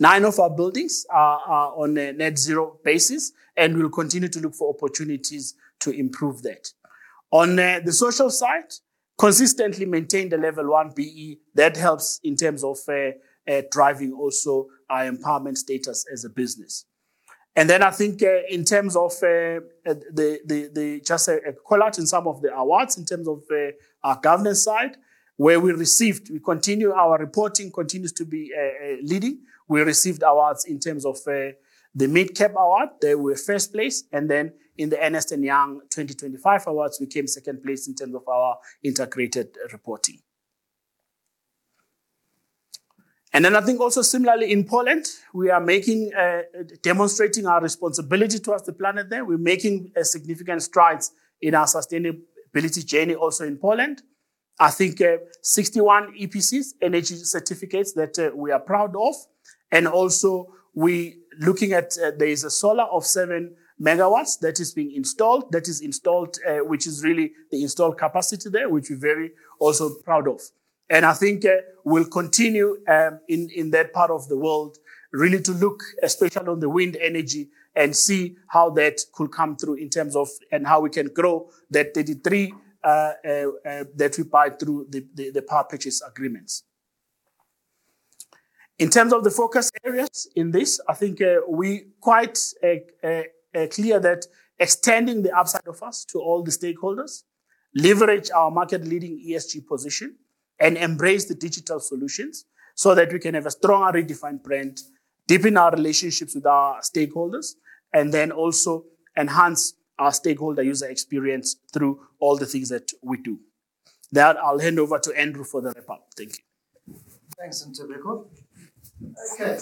C: nine of our buildings are on a net zero basis, and we'll continue to look for opportunities to improve that. On the social side, consistently maintain the level 1 BE. That helps in terms of driving also our empowerment status as a business. Then I think, in terms of the just a call-out in some of the awards in terms of our governance side, where we received, we continue our reporting continues to be leading. We received awards in terms of the Mid-Cap Award. There we were first place, and then in the Ernst & Young 2025 awards, we came second place in terms of our integrated reporting. I think also similarly in Poland, we are making, demonstrating our responsibility towards the planet there. We're making significant strides in our sustainability journey also in Poland. I think 61 EPCs, energy certificates that we are proud of. Also we looking at, there is a solar of 7 MW that is installed, which is really the installed capacity there, which we're very also proud of. I think we'll continue in that part of the world really to look especially on the wind energy and see how that could come through in terms of how we can grow that 33 that we buy through the power purchase agreements. In terms of the focus areas in this, I think we quite clear that extending the upside of us to all the stakeholders, leverage our market leading ESG position, and embrace the digital solutions so that we can have a strong Redefine brand, deepen our relationships with our stakeholders, and then also enhance our stakeholder user experience through all the things that we do. There, I'll hand over to Andrew for the wrap-up. Thank you.
A: Thanks, Ntobeko. Okay.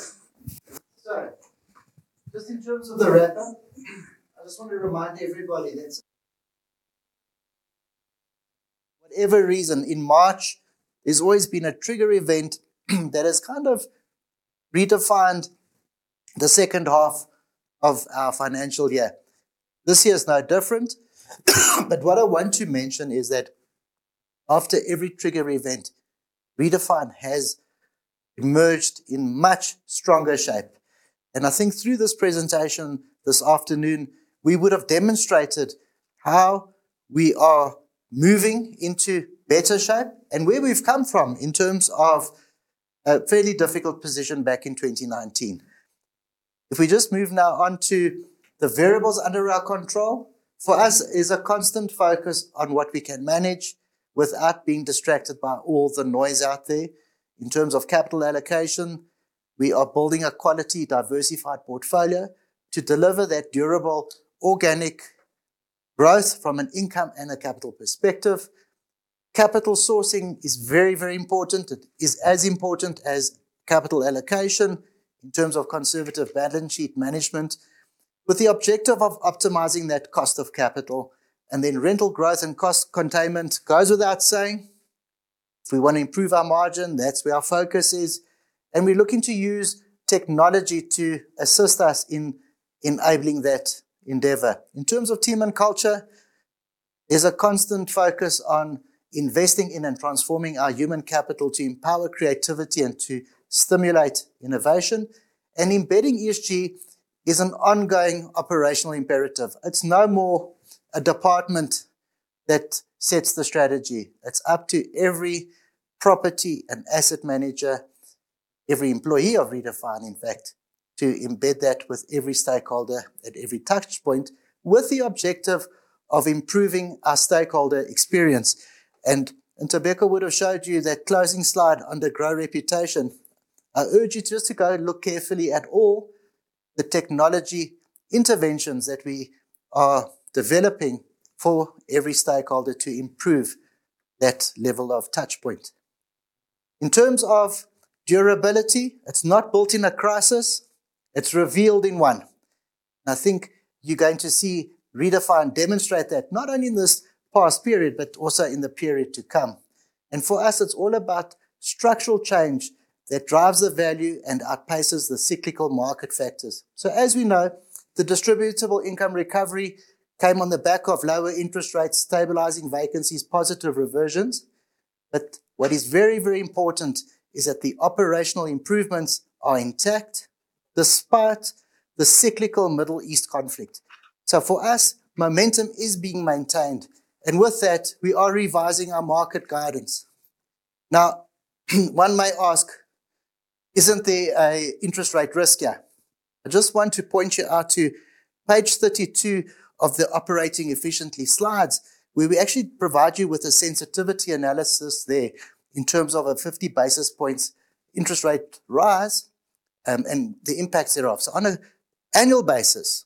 A: Just in terms of the wrap up, I just want to remind everybody that whatever reason, in March, there's always been a trigger event that has kind of Redefine the second half of our financial year. This year is no different. What I want to mention is that after every trigger event, Redefine has emerged in much stronger shape. I think through this presentation this afternoon, we would have demonstrated how we are moving into better shape and where we've come from in terms of a fairly difficult position back in 2019. If we just move now on to the variables under our control, for us, is a constant focus on what we can manage without being distracted by all the noise out there. In terms of capital allocation, we are building a quality, diversified portfolio to deliver that durable organic growth from an income and a capital perspective. Capital sourcing is very, very important. It is as important as capital allocation in terms of conservative balance sheet management, with the objective of optimizing that cost of capital. Rental growth and cost containment goes without saying. If we wanna improve our margin, that's where our focus is, and we're looking to use technology to assist us in enabling that endeavor. In terms of team and culture, is a constant focus on investing in and transforming our human capital to empower creativity and to stimulate innovation. Embedding ESG is an ongoing operational imperative. It's no more a department that sets the strategy. It's up to every property and asset manager, every employee of Redefine, in fact, to embed that with every stakeholder at every touch point, with the objective of improving our stakeholder experience. Ntobeko would have showed you that closing slide under grow reputation. I urge you just to go look carefully at all the technology interventions that we are developing for every stakeholder to improve that level of touch point. In terms of durability, it's not built in a crisis, it's revealed in one. I think you're going to see Redefine demonstrate that not only in this past period but also in the period to come. For us, it's all about structural change that drives the value and outpaces the cyclical market factors. As we know, the distributable income recovery came on the back of lower interest rates, stabilizing vacancies, positive reversions. What is very, very important is that the operational improvements are intact despite the cyclical Middle East conflict. For us, momentum is being maintained, and with that, we are revising our market guidance. One may ask, isn't there a interest rate risk here? I just want to point you out to page 32 of the operating efficiently slides, where we actually provide you with a sensitivity analysis there in terms of a 50 basis points interest rate rise, and the impacts thereof. On an annual basis,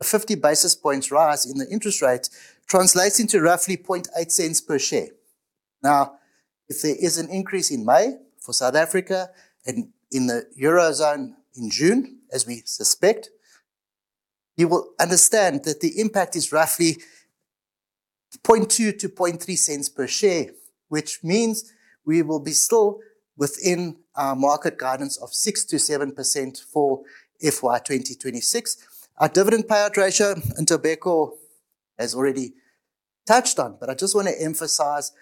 A: a 50 basis points rise in the interest rate translates into roughly 0.008 per share. If there is an increase in May for South Africa and in the Eurozone in June, as we suspect, you will understand that the impact is roughly 0.002-0.003 per share, which means we will be still within our market guidance of 6%-7% for FY2026. Our dividend payout ratio, and Ntobeko has already touched on, but I just wanna emphasize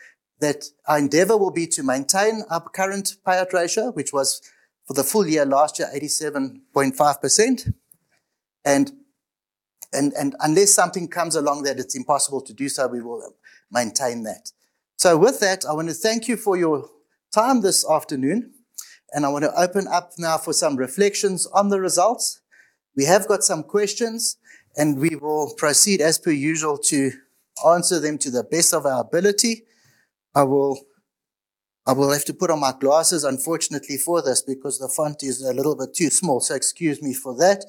A: that our endeavor will be to maintain our current payout ratio, which was for the full year last year, 87.5%. Unless something comes along that it's impossible to do so, we will maintain that. With that, I wanna thank you for your time this afternoon, and I wanna open up now for some reflections on the results. We have got some questions, we will proceed as per usual to answer them to the best of our ability. I will have to put on my glasses, unfortunately for this, because the font is a little bit too small. Excuse me for that.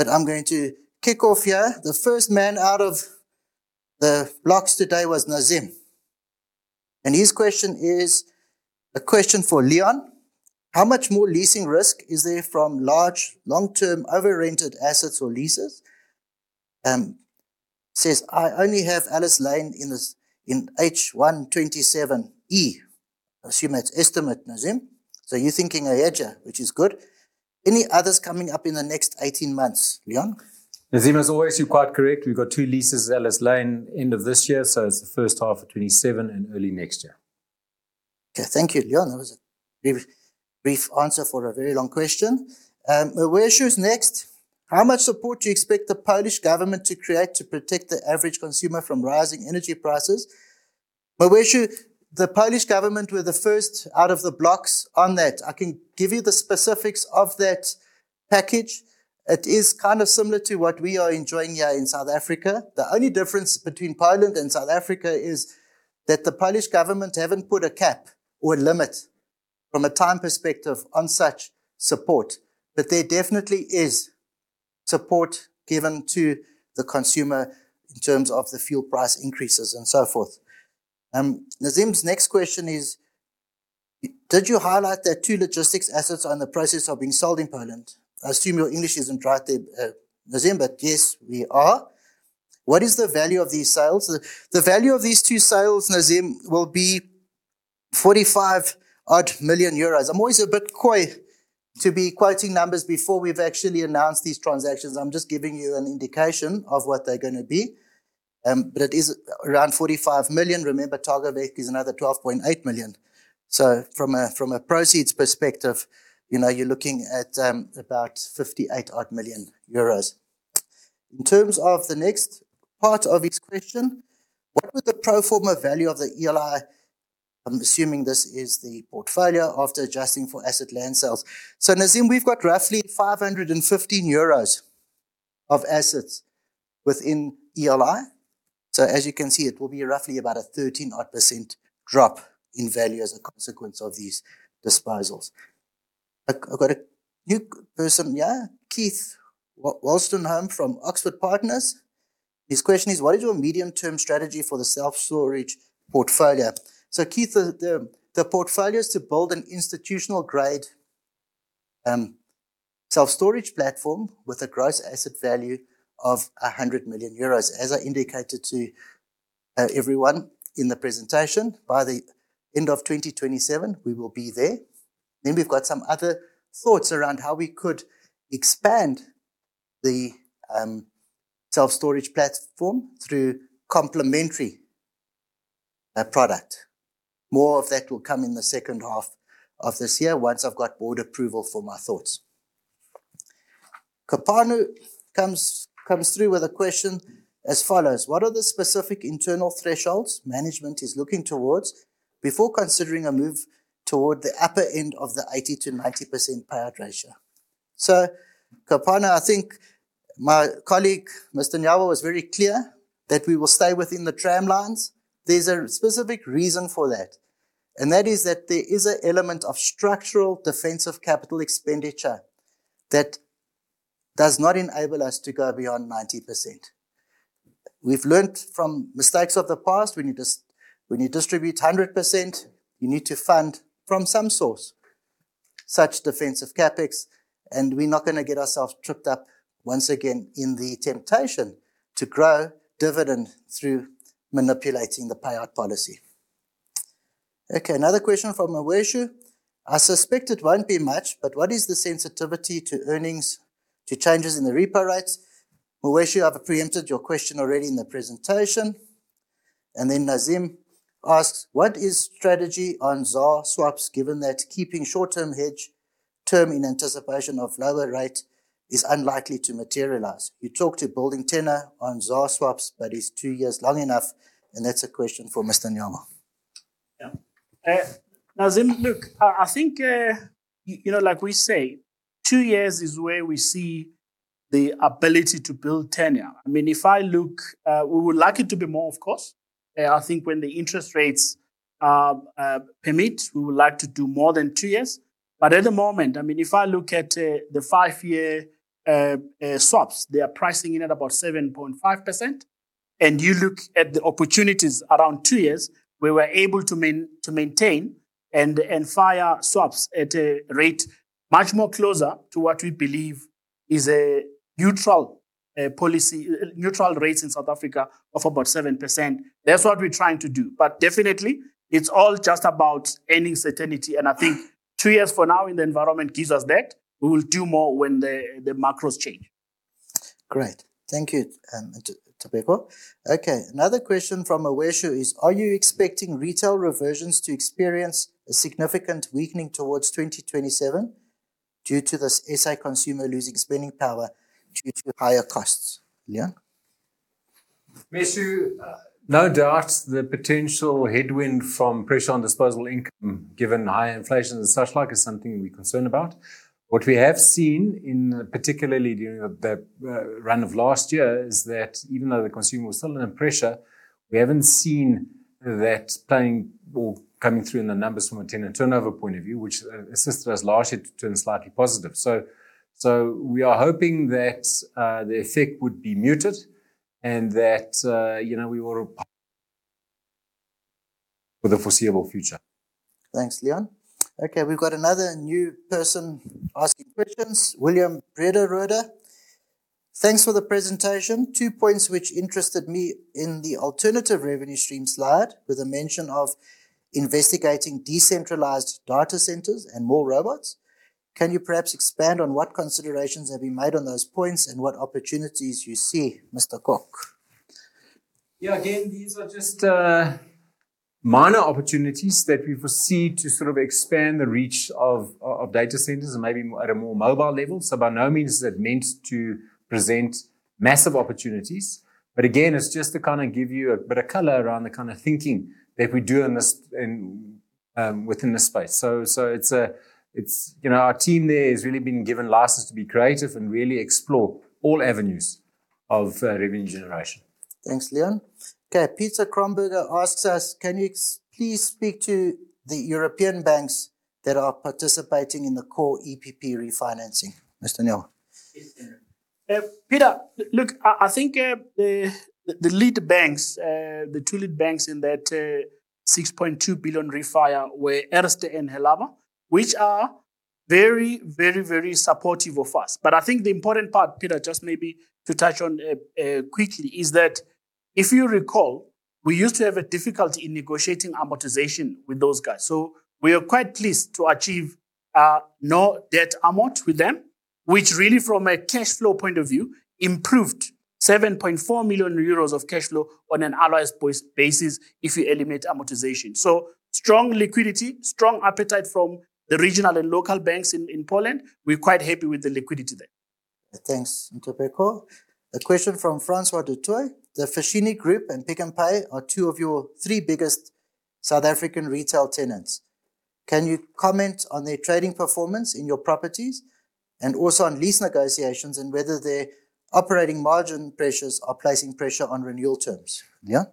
A: I'm going to kick off here. The first man out of the blocks today was Nazeem. His question is a question for Leon. How much more leasing risk is there from large long-term over-rented assets or leases? Says I only have Alice Lane in this, in H1 2027. Assume that's estimate, Nazeem. You're thinking of EDGE, which is good. Any others coming up in the next 18 months, Leon?
B: Nazeem, as always, you're quite correct. We've got two leases, Alice Lane, end of this year, so it's the first half of 2027 and early next year.
A: Okay. Thank you, Leon. That was a brief answer for a very long question. Mweisho's next. How much support do you expect the Polish government to create to protect the average consumer from rising energy prices? Mweisho, the Polish government were the first out of the blocks on that. I can give you the specifics of that package. It is kind of similar to what we are enjoying here in South Africa. The only difference between Poland and South Africa is that the Polish government haven't put a cap or a limit from a time perspective on such support. There definitely is support given to the consumer in terms of the fuel price increases and so forth. Nazeem's next question is: Did you highlight that two logistics assets are in the process of being sold in Poland? I assume your English isn't right there, Nazeem. Yes, we are. What is the value of these sales? The value of these two sales, Nazeem, will be 45 million euros odd. I'm always a bit coy to be quoting numbers before we've actually announced these transactions. I'm just giving you an indication of what they're gonna be. It is around 45 million. Remember Targówek is another 12.8 million. From a proceeds perspective, you know, you're looking at about 58 million euros odd. In terms of the next part of his question, what would the pro forma value of the ELI, I'm assuming this is the portfolio, after adjusting for asset land sales? Nazeem, we've got roughly 515 euros of assets within ELI. As you can see, it will be roughly about a 13% drop in value as a consequence of these disposals. I've got a new person. Yeah. [Keith Wulsterham] from [Oxford Partners]. His question is, "What is your medium-term strategy for the self-storage portfolio?" Keith, the portfolio is to build an institutional grade self-storage platform with a gross asset value of 100 million euros. As I indicated to everyone in the presentation, by the end of 2027 we will be there. We've got some other thoughts around how we could expand the self-storage platform through complementary product. More of that will come in the second half of this year once I've got board approval for my thoughts. Kopano comes through with a question as follows: "What are the specific internal thresholds management is looking towards before considering a move toward the upper end of the 80%-90% payout ratio?" Kopano, I think my colleague, Mr. Nyawo, was very clear that we will stay within the tramlines. There is a specific reason for that is that there is an element of structural defensive capital expenditure that does not enable us to go beyond 90%. We have learnt from mistakes of the past. When you distribute 100%, you need to fund from some source such defensive CapEx, and we are not gonna get ourselves tripped up once again in the temptation to grow dividend through manipulating the payout policy. Okay. Another question from Mweisho. I suspect it won't be much, but what is the sensitivity to earnings to changes in the repo rates?" Mweisho, I've preempted your question already in the presentation. Nazeem asks, "What is strategy on ZAR swaps, given that keeping short term hedge term in anticipation of lower rate is unlikely to materialize? You talked to building tenure on ZAR swaps, but is two years long enough?" That's a question for Mr. Nyawo.
C: Nazeem, look, I think, you know, like we say, two years is where we see the ability to build tenure. I mean, if I look, we would like it to be more, of course. I think when the interest rates permit, we would like to do more than two years. At the moment, I mean, if I look at the five-year swaps, they are pricing in at about 7.5%. You look at the opportunities around two years, we were able to maintain and fire swaps at a rate much more closer to what we believe is a neutral policy, neutral rates in South Africa of about 7%. That's what we're trying to do. Definitely it's all just about earning certainty. I think two years for now in the environment gives us that. We will do more when the macros change.
A: Great. Thank you, Ntobeko. Okay. Another question from Mweisho is: "Are you expecting retail reversions to experience a significant weakening towards 2027 due to the SA consumer losing spending power due to higher costs?" Leon?
B: Mweisho, no doubt the potential headwind from pressure on disposable income, given high inflation and such like, is something we're concerned about. What we have seen in, particularly during the run of last year, is that even though the consumer was still under pressure, we haven't seen that playing or coming through in the numbers from a tenant turnover point of view, which assisted us last year to turn slightly positive. We are hoping that the effect would be muted and that, you know, we will for the foreseeable future.
A: Thanks, Leon. Okay. We've got another new person asking questions. William Brederode. "Thanks for the presentation. Two points which interested me in the alternative revenue stream slide, with the mention of investigating decentralized data centers and more robots. Can you perhaps expand on what considerations have been made on those points and what opportunities you see?" Mr. Kok.
B: Again, these are just minor opportunities that we foresee to sort of expand the reach of data centers and maybe at a more mobile level. By no means is it meant to present massive opportunities. Again, it's just to kind of give you a bit of color around the kind of thinking that we do in this, in within this space. It's a, it's, you know, our team there has really been given license to be creative and really explore all avenues of revenue generation.
A: Thanks, Leon. Okay. Peter Kromberger asks us, "Can you please speak to the European banks that are participating in the core EPP refinancing?" Mr. Nyawo.
C: Yes, Andrew. Peter, I think the two lead banks in that 6.2 billion refi were Erste and Helaba, which are very, very, very supportive of us. I think the important part, Peter, just maybe to touch on quickly, is that if you recall, we used to have a difficulty in negotiating amortization with those guys. We are quite pleased to achieve no debt amort with them, which really from a cash flow point of view, improved 7.4 million euros of cash flow on an all else equal basis if you eliminate amortization. Strong liquidity, strong appetite from the regional and local banks in Poland. We're quite happy with the liquidity there.
A: Thanks, Ntobeko. A question from Francois du Toit. The Foschini Group and Pick n Pay are two of your three biggest South African retail tenants. Can you comment on their trading performance in your properties, and also on lease negotiations and whether their operating margin pressures are placing pressure on renewal terms? Leon?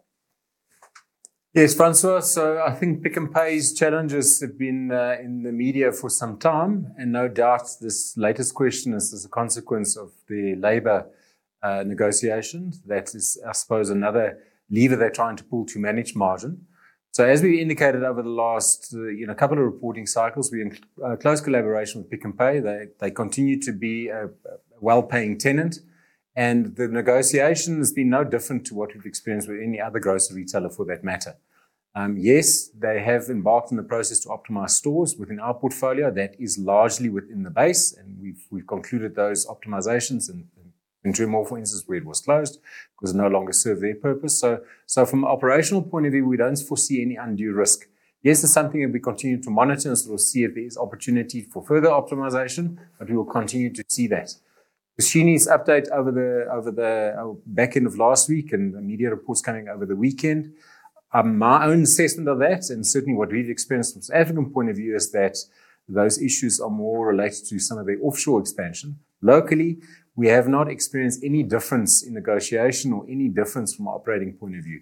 B: Yes, Francois. I think Pick n Pay's challenges have been in the media for some time, and no doubt this latest question is as a consequence of the labor negotiations. That is, I suppose, another lever they're trying to pull to manage margin. As we indicated over the last, you know, couple of reporting cycles, we're in close collaboration with Pick n Pay. They continue to be a well-paying tenant, and the negotiation has been no different to what we've experienced with any other grocery retailer for that matter. Yes, they have embarked on the process to optimize stores within our portfolio. That is largely within the base, and we've concluded those optimizations in Dream Mall, for instance, where it was closed because it no longer served their purpose. From an operational point of view, we don't foresee any undue risk. Yes, it's something that we continue to monitor and sort of see if there's opportunity for further optimization, but we will continue to see that. Foschini's update over the back end of last week and the media reports coming over the weekend, my own assessment of that and certainly what we've experienced from South African point of view is that those issues are more related to some of their offshore expansion. Locally, we have not experienced any difference in negotiation or any difference from an operating point of view.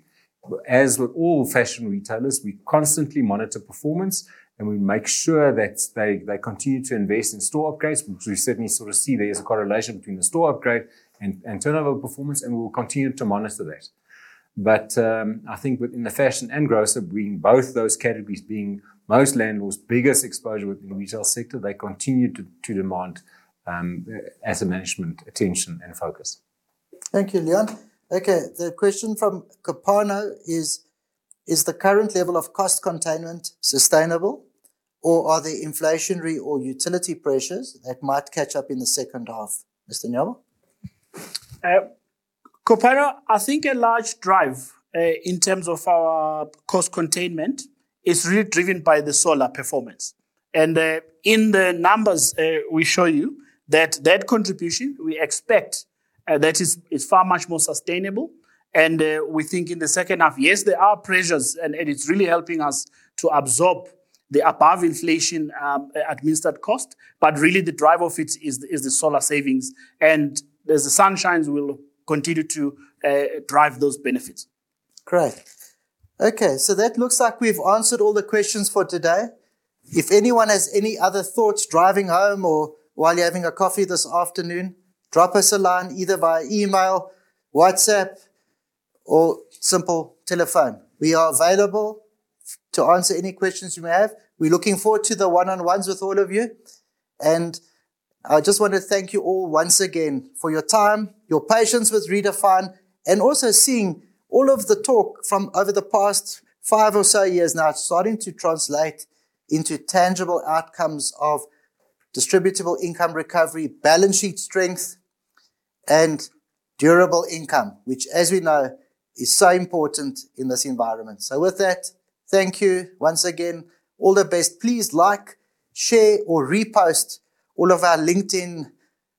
B: As with all fashion retailers, we constantly monitor performance, and we make sure that they continue to invest in store upgrades, which we certainly sort of see there is a correlation between the store upgrade and turnover performance, and we will continue to monitor that. I think within the fashion and grocer, being both those categories being most landlords' biggest exposure within the retail sector, they continue to demand, as a management, attention and focus.
A: Thank you, Leon. Okay. The question from Kopano is the current level of cost containment sustainable, or are there inflationary or utility pressures that might catch up in the second half, Mr. Nyawo?
C: Kopano, I think a large drive in terms of our cost containment is really driven by the solar performance. In the numbers, we show you that that contribution we expect that is far much more sustainable. We think in the second half, yes, there are pressures and it's really helping us to absorb the above inflation administered cost, but really the drive of it is the solar savings. As the sun shines, we'll continue to drive those benefits.
A: Great. Okay, so that looks like we've answered all the questions for today. If anyone has any other thoughts driving home or while you're having a coffee this afternoon, drop us a line either via email, WhatsApp or simple telephone. We are available to answer any questions you may have. We're looking forward to the one-on-ones with all of you. I just want to thank you all once again for your time, your patience with Redefine, and also seeing all of the talk from over the past five or so years now starting to translate into tangible outcomes of distributable income recovery, balance sheet strength, and durable income, which as we know, is so important in this environment. With that, thank you once again. All the best. Please like, share, or repost all of our LinkedIn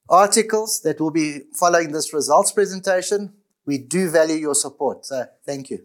A: articles that will be following this results presentation. We do value your support. Thank you.